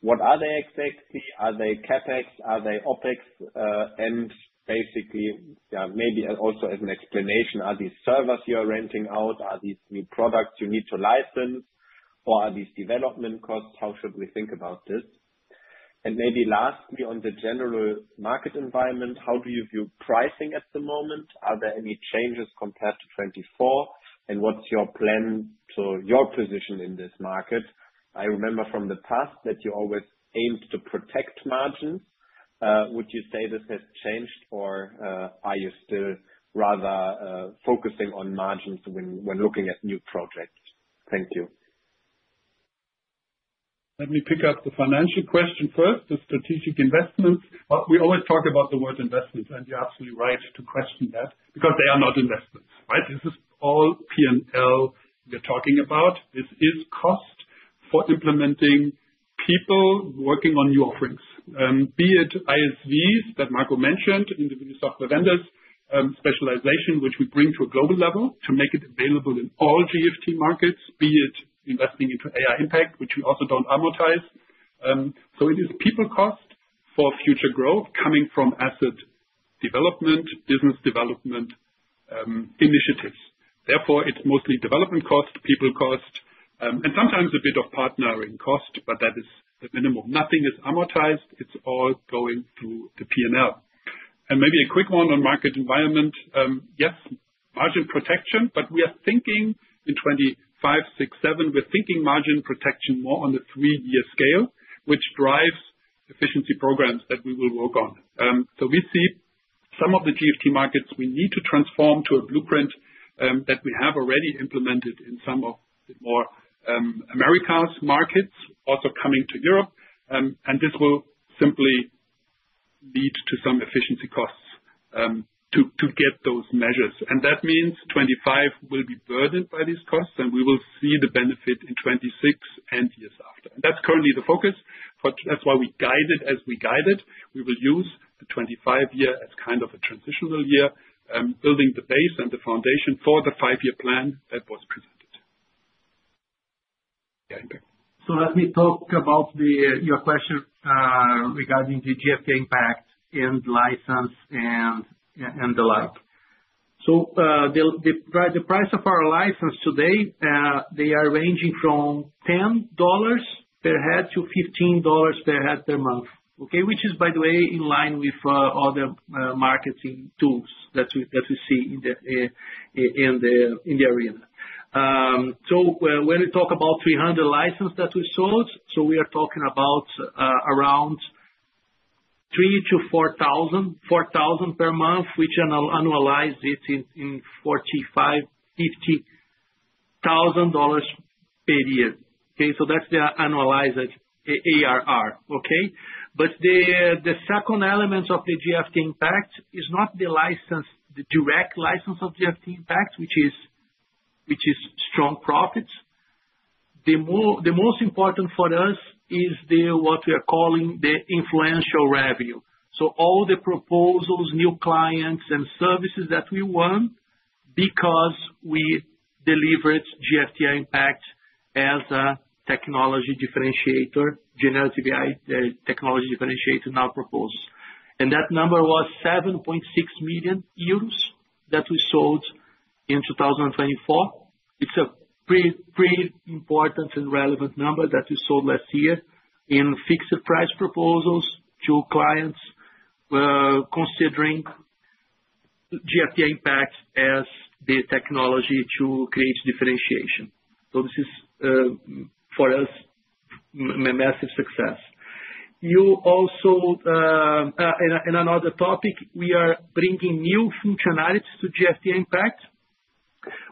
what are they exactly? Are they CapEx? Are they OpEx? Basically, maybe also as an explanation, are these servers you are renting out? Are these new products you need to license? Or are these development costs? How should we think about this? Maybe lastly, on the general market environment, how do you view pricing at the moment? Are there any changes compared to 2024? What's your plan for your position in this market? I remember from the past that you always aimed to protect margins. Would you say this has changed, or are you still rather focusing on margins when looking at new projects? Thank you. Let me pick up the financial question first, the strategic investments. We always talk about the word investments, and you're absolutely right to question that because they are not investments, right? This is all P&L we're talking about. This is cost for implementing people working on new offerings, be it ISVs that Marco mentioned, individual software vendors, specialization, which we bring to a global level to make it available in all GFT markets, be it investing into AI Impact, which we also don't amortize. It is people cost for future growth coming from asset development, business development initiatives. Therefore, it's mostly development cost, people cost, and sometimes a bit of partnering cost, but that is the minimum. Nothing is amortized. It's all going through the P&L. Maybe a quick one on market environment. Yes, margin protection, but we are thinking in 2025, 2026, 2027, we're thinking margin protection more on the three-year scale, which drives efficiency programs that we will work on. We see some of the GFT markets we need to transform to a blueprint that we have already implemented in some of the more Americas markets, also coming to Europe. This will simply lead to some efficiency costs to get those measures. That means 2025 will be burdened by these costs, and we will see the benefit in 2026 and years after. That is currently the focus. That is why we guide it as we guide it. We will use the 2025 year as kind of a transitional year, building the base and the foundation for the five-year plan that was presented. Let me talk about your question regarding the GFT Impact and license and the like. The price of our license today, they are ranging from $10 per head to $15 per head per month, which is, by the way, in line with other marketing tools that we see in the arena. When we talk about 300 licenses that we sold, we are talking about around $3,000-$4,000 per month, which annualizes it in $45,000-$50,000 per-year. That is the annualized ARR. The second element of the GFT Impact is not the direct license of GFT Impact, which is strong profits. The most important for us is what we are calling the influential revenue. All the proposals, new clients, and services that we won because we delivered GFT Impact as a technology differentiator, generative AI technology differentiator now proposed. That number was 7.6 million euros that we sold in 2024. It's a pretty important and relevant number that we sold last year in fixed price proposals to clients, considering GFT Impact as the technology to create differentiation. This is, for us, a massive success. Also, on another topic, we are bringing new functionalities to GFT Impact,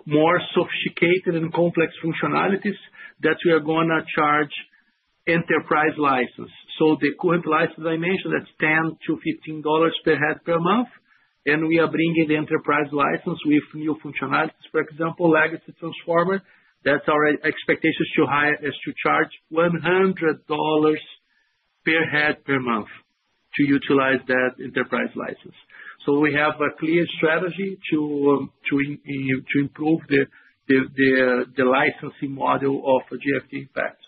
more sophisticated and complex functionalities that we are going to charge enterprise license. The current license I mentioned, that's $10-$15 per head per month, and we are bringing the enterprise license with new functionalities, for example, legacy transformer. That's our expectation to charge $100 per head per month to utilize that enterprise license. We have a clear strategy to improve the licensing model of GFT Impact.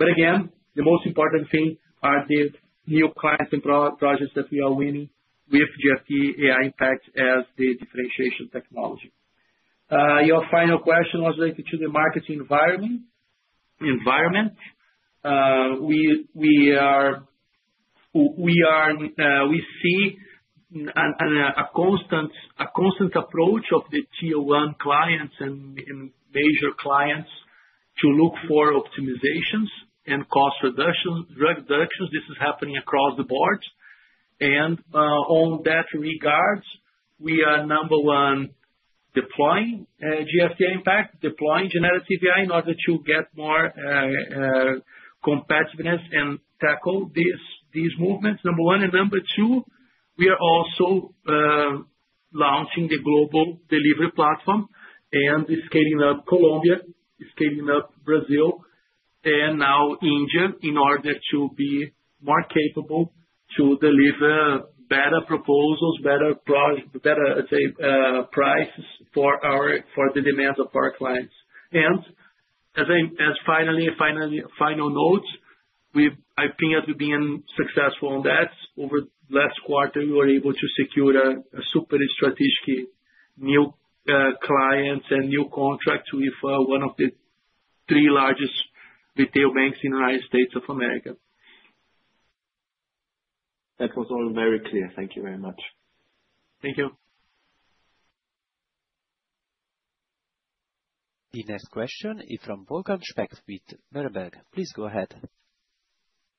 Again, the most important thing are the new clients and projects that we are winning with GFT AI Impact as the differentiation technology. Your final question was related to the market environment. We see a constant approach of the Tier one clients and major clients to look for optimizations and cost reductions. This is happening across the board. In that regard, we are number one deploying GFT Impact, deploying generative AI in order to get more competitiveness and tackle these movements, number one. Number two, we are also launching the global delivery platform and scaling up Colombia, scaling up Brazil, and now India in order to be more capable to deliver better proposals, better prices for the demands of our clients. As final notes, I think as we've been successful on that, over the last-quarter, we were able to secure a super strategic new client and new contract with one of the three largest retail banks in the United States of America. That was all very clear. Thank you very much. Thank you. The next question is from Wolfgang Speck with Nuremberg. Please go ahead.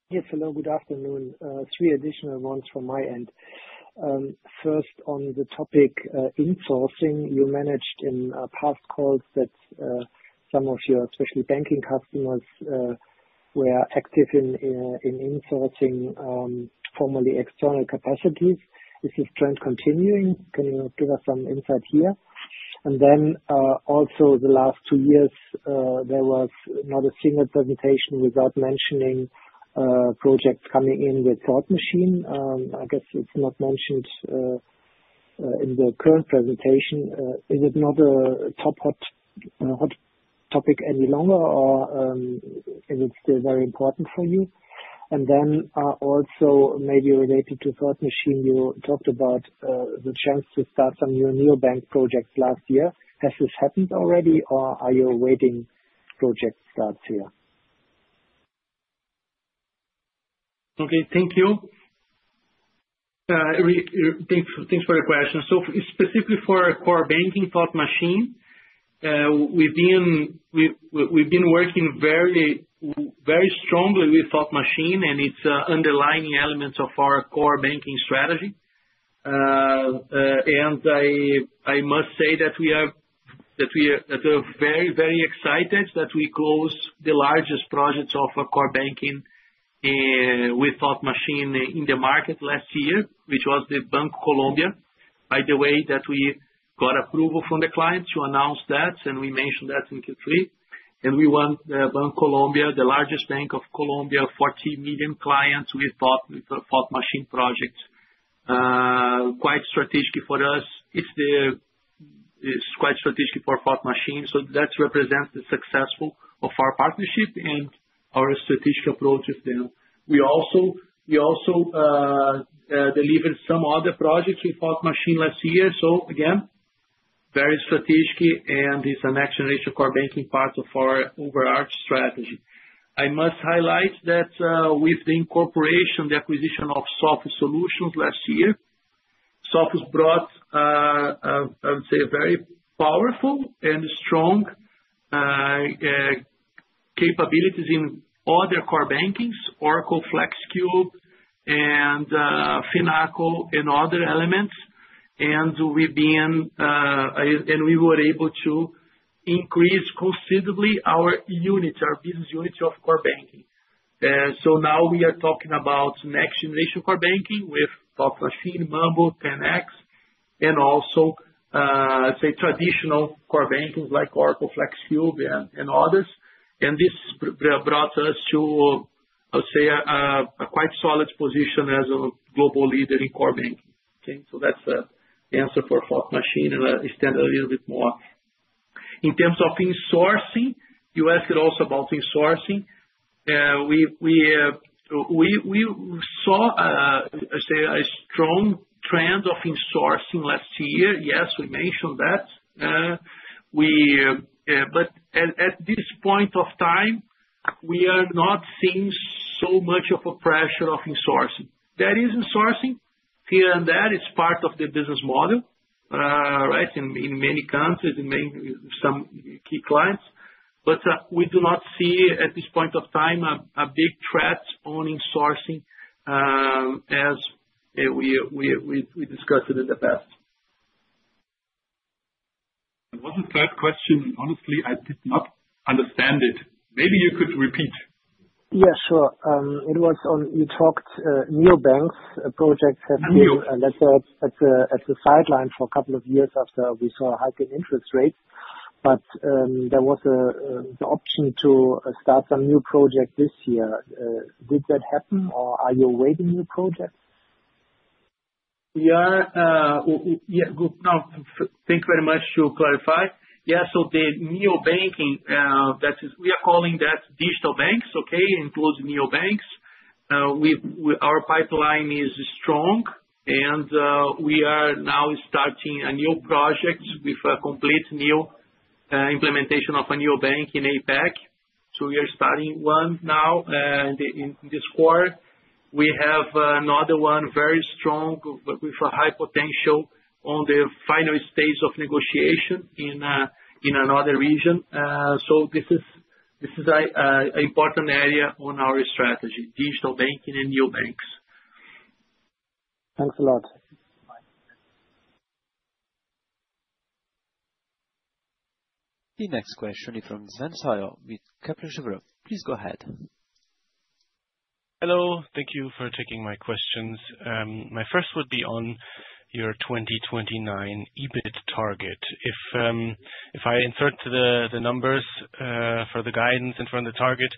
Yes, hello, good afternoon. Three additional ones from my end. First, on the topic insourcing, you mentioned in past calls that some of your, especially banking customers, were active in insourcing formerly external capacities. Is this trend continuing? Can you give us some insight here? Also, the last two-years, there was not a single presentation without mentioning projects coming in with Thought Machine. I guess it's not mentioned in the current presentation. Is it not a top hot topic any longer, or is it still very important for you? Also maybe related to Thought Machine, you talked about the chance to start some new Neobank projects last year. Has this happened already, or are you awaiting project starts here? Okay, thank you. Thanks for the question. Specifically for our core banking Thought Machine, we've been working very strongly with Thought Machine, and it's an underlying element of our core banking strategy. I must say that we are very, very excited that we closed the largest projects of our core banking with Thought Machine in the market last year, which was the Bancolombia, by the way, that we got approval from the client to announce that, and we mentioned that in Q3. We won Bancolombia, the largest bank of Colombia, 40 million clients with Thought Machine projects. Quite strategic for us. It's quite strategic for Thought Machine. That represents the success of our partnership and our strategic approach with them. We also delivered some other projects with Thought Machine last year. Again, very strategic, and it's a next-generation core banking part of our overarching strategy. I must highlight that with the incorporation, the acquisition of Sophos last year, Sophos brought, I would say, very powerful and strong capabilities in other core bankings, Oracle, Flexcube, and Finacle, and other elements. We were able to increase considerably our units, our business units of core banking. Now we are talking about next-generation core banking with Thought Machine, Mambu, 10x, and also, I'd say, traditional core bankings like Oracle, Flexcube, and others. This brought us to, I would say, a quite solid position as a global leader in core banking. Okay? That is the answer for Thought Machine and to extend a little bit more. In terms of insourcing, you asked also about insourcing. We saw, I'd say, a strong trend of insourcing last-year. Yes, we mentioned that. At this point of time, we are not seeing so much of a pressure of insourcing. There is insourcing. Here and there, it is part of the business model, right, in many countries, in some key clients. We do not see at this point of time a big threat on insourcing as we discussed in the past. That was the third question. Honestly, I did not understand it. Maybe you could repeat. Yes, sure. It was on you talked Neobanks projects have been, let's say, at the sideline for a couple of years after we saw a hike in interest rates. But there was the option to start some new projects this year. Did that happen, or are you awaiting new projects? Yeah. Thank you very much to clarify. Yeah. So the Neobanking that we are calling that digital banks, okay, includes Neobanks. Our pipeline is strong, and we are now starting a new project with a complete new implementation of a Neobank in APAC. We are starting one now. In this quarter, we have another one, very strong, with a high potential on the final stage of negotiation in another region. This is an important area on our strategy, digital banking and Neobanks. Thanks a lot. The next question is from Zensayo with KeplerShubro. Please go ahead. Hello. Thank you for taking my questions. My first would be on your 2029 EBIT target. If I insert the numbers for the guidance in front of the target,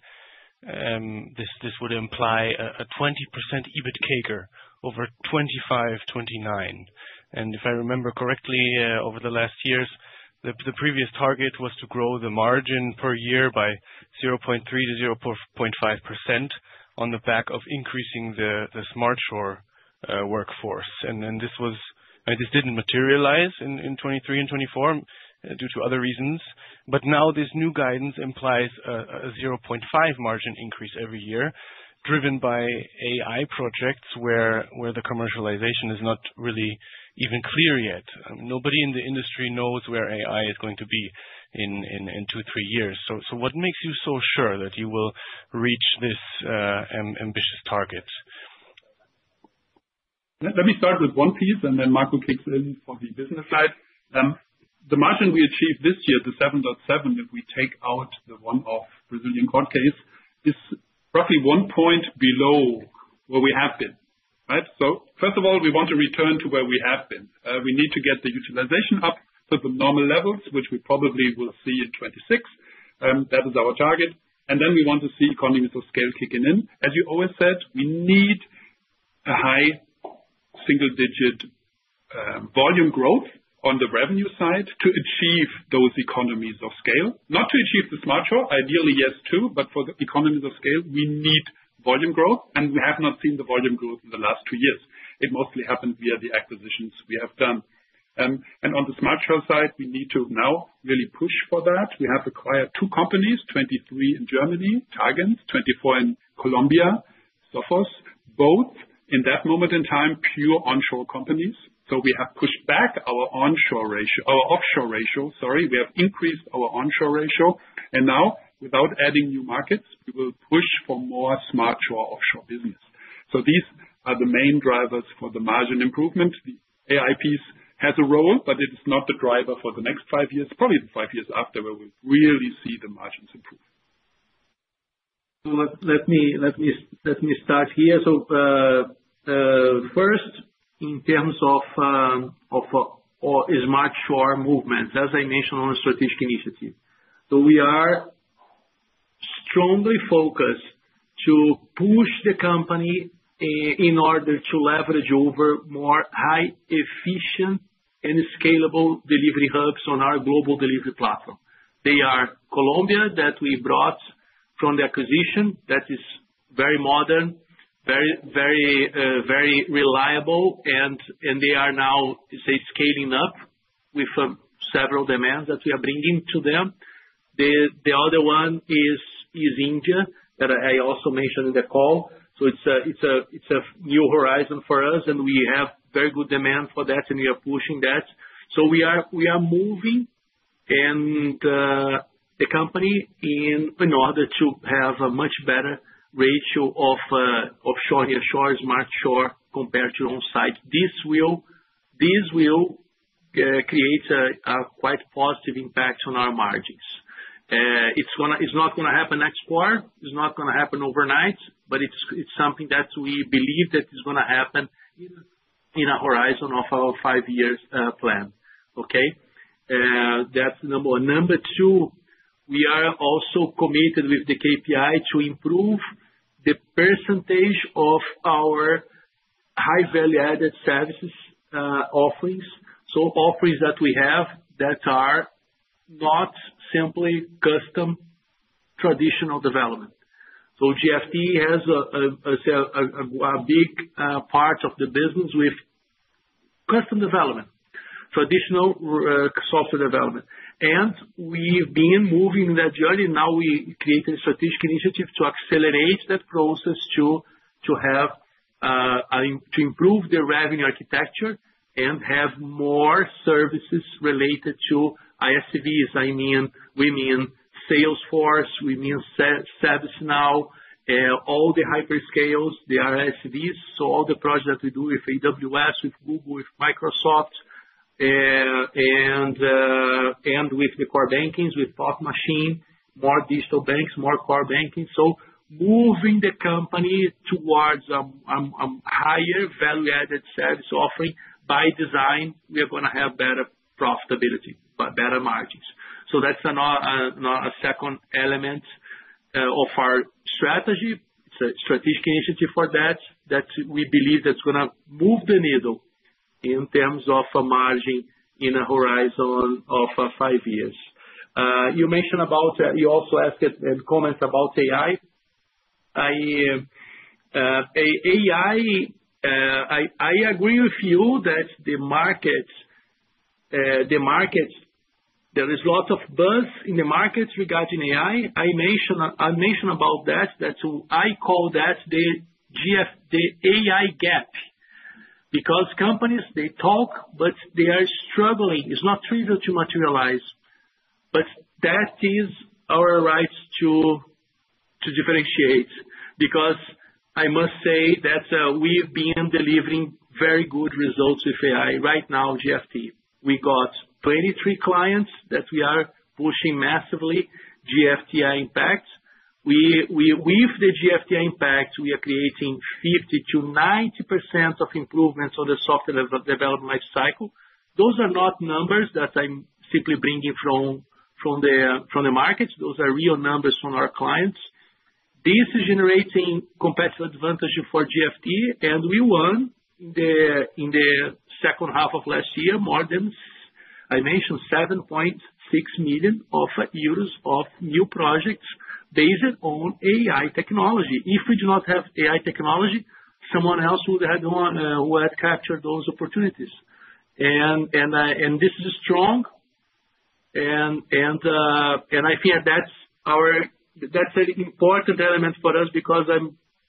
this would imply a 20% EBIT CAGR over 2025-2029. If I remember correctly, over the last-years, the previous target was to grow the margin per year by 0.3-0.5% on the back of increasing the smart shore workforce. This did not materialize in 2023 and 2024 due to other reasons. Now this new guidance implies a 0.5% margin increase every year, driven by AI projects where the commercialization is not really even clear yet. Nobody in the industry knows where AI is going to be in two, three-years. What makes you so sure that you will reach this ambitious target? Let me start with one piece, and then Michael kicks in for the business side. The margin we achieved this year, the 7.7, if we take out the one-off Brazilian court case, is roughly one point below where we have been, right? First of all, we want to return to where we have been. We need to get the utilization up to the normal levels, which we probably will see in 2026. That is our target. We want to see economies of scale kicking in. As you always said, we need a high single-digit volume growth on the revenue side to achieve those economies of scale. Not to achieve the smart shore, ideally, yes, too. For the economies of scale, we need volume growth, and we have not seen the volume growth in the last two years. It mostly happened via the acquisitions we have done. On the smart shore side, we need to now really push for that. We have acquired two companies, 23 in Germany, Targent, 24 in Colombia, Sofos, both in that moment in time, pure onshore companies. We have pushed back our offshore ratio, sorry. We have increased our onshore ratio. Now, without adding new markets, we will push for more smart shore offshore business. These are the main drivers for the margin improvement. The AI piece has a role, but it is not the driver for the next five-years, probably the five years after where we really see the margins improve. Let me start here. First, in terms of smart shore movements, as I mentioned on a strategic initiative, we are strongly focused to push the company in order to leverage over more high-efficient and scalable delivery hubs on our global delivery platform. They are Colombia that we brought from the acquisition. That is very modern, very reliable, and they are now, say, scaling up with several demands that we are bringing to them. The other one is India that I also mentioned in the call. It is a new horizon for us, and we have very good demand for that, and we are pushing that. We are moving the company in order to have a much better ratio of shore-to-shore, smart shore compared to onsite. This will create a quite positive impact on our margins. It is not going to happen next quarter. It is not going to happen overnight, but it is something that we believe that is going to happen in a horizon of our five-year plan. Okay? That is number one. Number two, we are also committed with the KPI to improve the percentage of our high-value-added services offerings. Offerings that we have that are not simply custom traditional development. GFT has a big part of the business with custom development, traditional software development. We have been moving that journey. Now we created a strategic initiative to accelerate that process to improve the revenue architecture and have more services related to ISVs. I mean, we mean Salesforce, we mean ServiceNow, all the hyperscales, the ISVs. All the projects that we do with AWS, with Google, with Microsoft, and with the core bankings, with Thought Machine, more digital banks, more core banking. Moving the company towards a higher value-added service offering by design, we are going to have better profitability, better margins. That is a second element of our strategy. It is a strategic initiative for that that we believe is going to move the needle in terms of a margin in a horizon of five-years. You mentioned about, you also asked and commented about AI. I agree with you that the market, there is lots of buzz in the market regarding AI. I mentioned about that that I call that the AI gap because companies, they talk, but they are struggling. It's not trivial to materialize. That is our right to differentiate because I must say that we've been delivering very good results with AI. Right now, GFT, we got 23 clients that we are pushing massively GFT Impact. With the GFT Impact, we are creating 50%-90% of improvements on the software development life cycle. Those are not numbers that I'm simply bringing from the market. Those are real numbers from our clients. This is generating competitive advantage for GFT, and we won in the second half of last year more than, I mentioned, 7.6 million euros of new projects based on AI technology. If we did not have AI technology, someone else would have had to capture those opportunities. This is strong. I think that's an important element for us because we're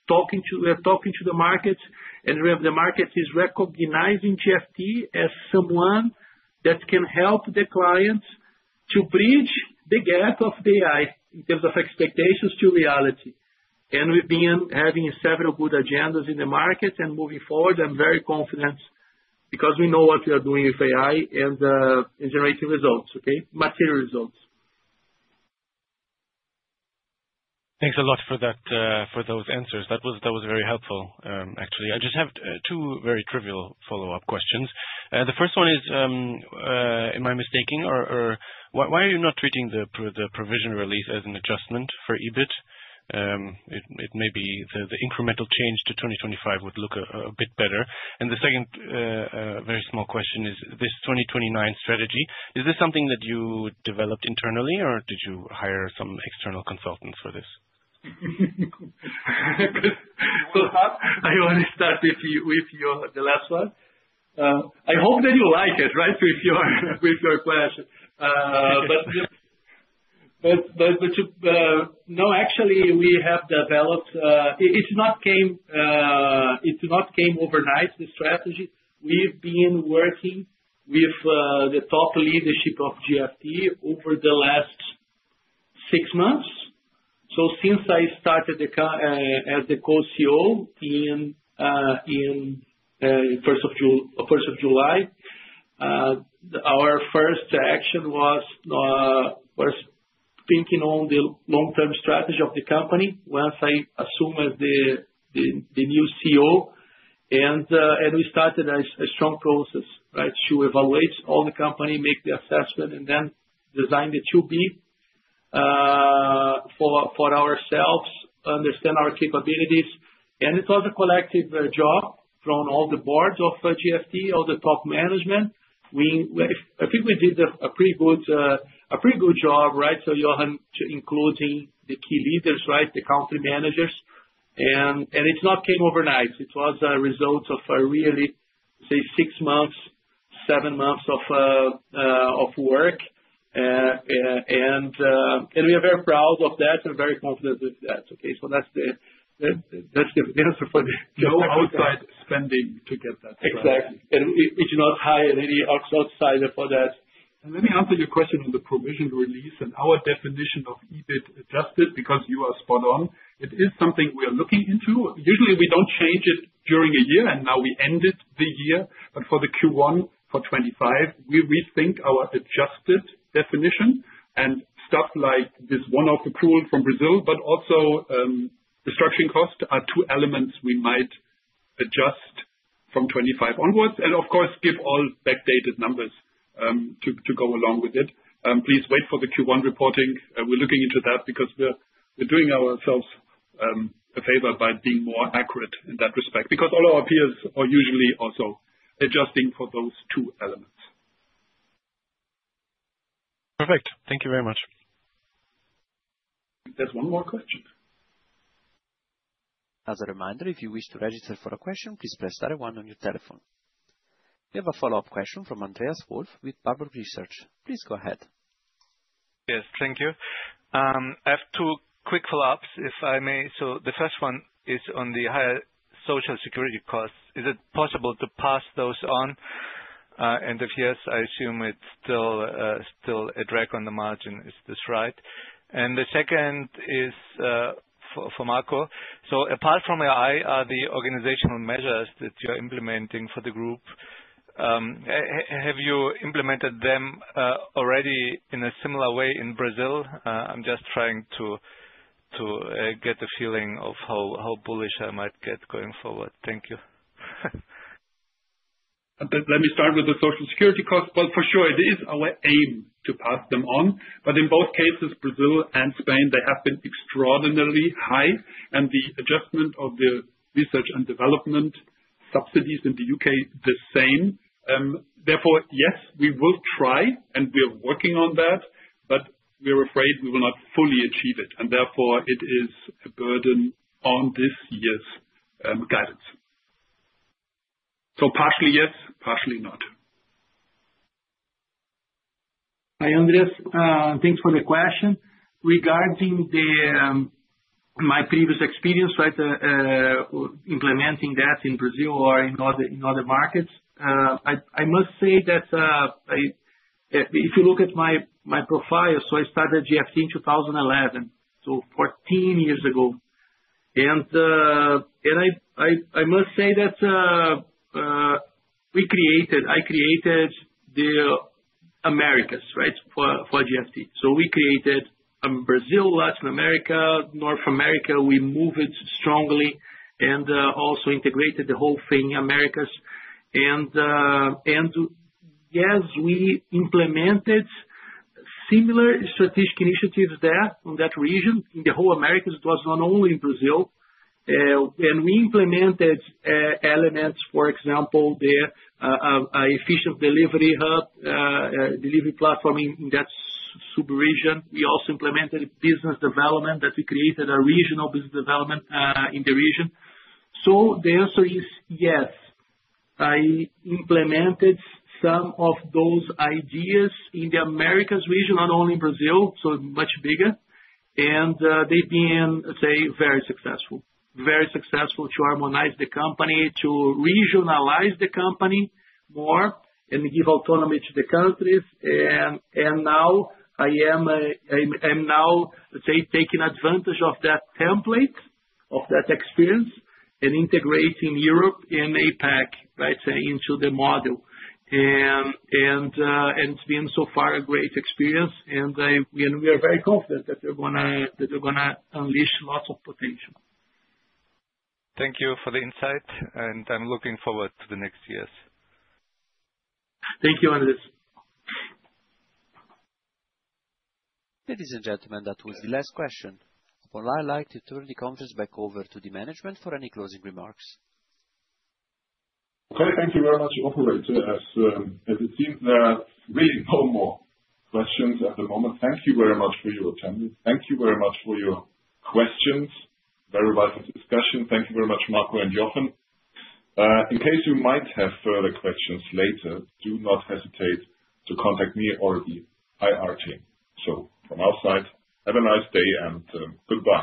talking to the markets, and the market is recognizing GFT as someone that can help the clients to bridge the gap of AI in terms of expectations to reality. We've been having several good agendas in the market and moving forward. I'm very confident because we know what we are doing with AI and generating results, material results. Thanks a lot for those answers. That was very helpful, actually. I just have two very trivial follow-up questions. The first one is, am I mistaking, or why are you not treating the provision release as an adjustment for EBIT? It may be the incremental change to 2025 would look a bit better. The second very small question is this 2029 strategy. Is this something that you developed internally, or did you hire some external consultants for this? I want to start with the last one. I hope that you like it, right, with your question. No, actually, we have developed it. It did not come overnight, the strategy. We have been working with the top leadership of GFT over the last six months. Since I started as the co-CEO on the first of July, our first action was thinking on the long-term strategy of the company once I assumed as the new CEO. We started a strong process to evaluate all the company, make the assessment, and then design the 2B for ourselves, understand our capabilities. It was a collective job from all the boards of GFT, all the top management. I think we did a pretty good job, right, so including the key leaders, right, the country managers. It did not come overnight. It was a result of really, say, six months, seven months of work. We are very proud of that and very confident with that. Okay? That is the answer for that. No outside spending to get that. Exactly. We did not hire any outsider for that. Let me answer your question on the provision release and our definition of adjusted EBIT because you are spot on. It is something we are looking into. Usually, we do not change it during a year, and now we ended the year. For Q1 for 2025, we rethink our adjusted definition. Stuff like this one-off accrual from Brazil, but also the structuring cost, are two elements we might adjust from 2025 onwards. Of course, give all backdated numbers to go along with it. Please wait for the Q1 reporting. We are looking into that because we are doing ourselves a favor by being more accurate in that respect because all our peers are usually also adjusting for those two elements. Perfect. Thank you very much. There is one more question. As a reminder, if you wish to register for a question, please press star one on your telephone. We have a follow-up question from Andreas Wolf with Warburg Research. Please go ahead. Yes, thank you. I have two quick follow-ups, if I may. The first one is on the higher social security costs. Is it possible to pass those on? If yes, I assume it is still a drag on the margin. Is this right? The second is for Marco. Apart from AI, are the organizational measures that you are implementing for the group? Have you implemented them already in a similar way in Brazil? I'm just trying to get a feeling of how bullish I might get going forward. Thank you. Let me start with the social security costs. For sure, it is our aim to pass them on. In both cases, Brazil and Spain, they have been extraordinarily high. The adjustment of the research and development subsidies in the UK, the same. Therefore, yes, we will try, and we are working on that, but we are afraid we will not fully achieve it. Therefore, it is a burden on this year's guidance. Partially yes, partially not. Hi, Andreas. Thanks for the question. Regarding my previous experience, right, implementing that in Brazil or in other markets, I must say that if you look at my profile, I started GFT in 2011, so 14 years ago. I must say that I created the Americas, right, for GFT. We created Brazil, Latin America, North America. We moved it strongly and also integrated the whole thing in the Americas. Yes, we implemented similar strategic initiatives there in that region, in the whole Americas. It was not only in Brazil. We implemented elements, for example, the efficient delivery hub, delivery platform in that sub-region. We also implemented business development that we created, a regional business development in the region. The answer is yes. I implemented some of those ideas in the Americas region, not only in Brazil, so much bigger. They've been very successful, very successful to harmonize the company, to regionalize the company more, and give autonomy to the countries. I am, I'm now, let's say, taking advantage of that template, of that experience, and integrating Europe and APAC, right, into the model. It's been so far a great experience. We are very confident that we're going to unleash lots of potential. Thank you for the insight, and I'm looking forward to the next years. Thank you, Andreas. Ladies and gentlemen, that was the last question. I would like to turn the conference back over to the management for any closing remarks. Thank you very much. Over to Andreas. It seems there are really no more questions at the moment. Thank you very much for your attendance. Thank you very much for your questions. Very vital discussion. Thank you very much, Marco and Jochen. In case you might have further questions later, do not hesitate to contact me or the IR team. From our side, have a nice day and goodbye.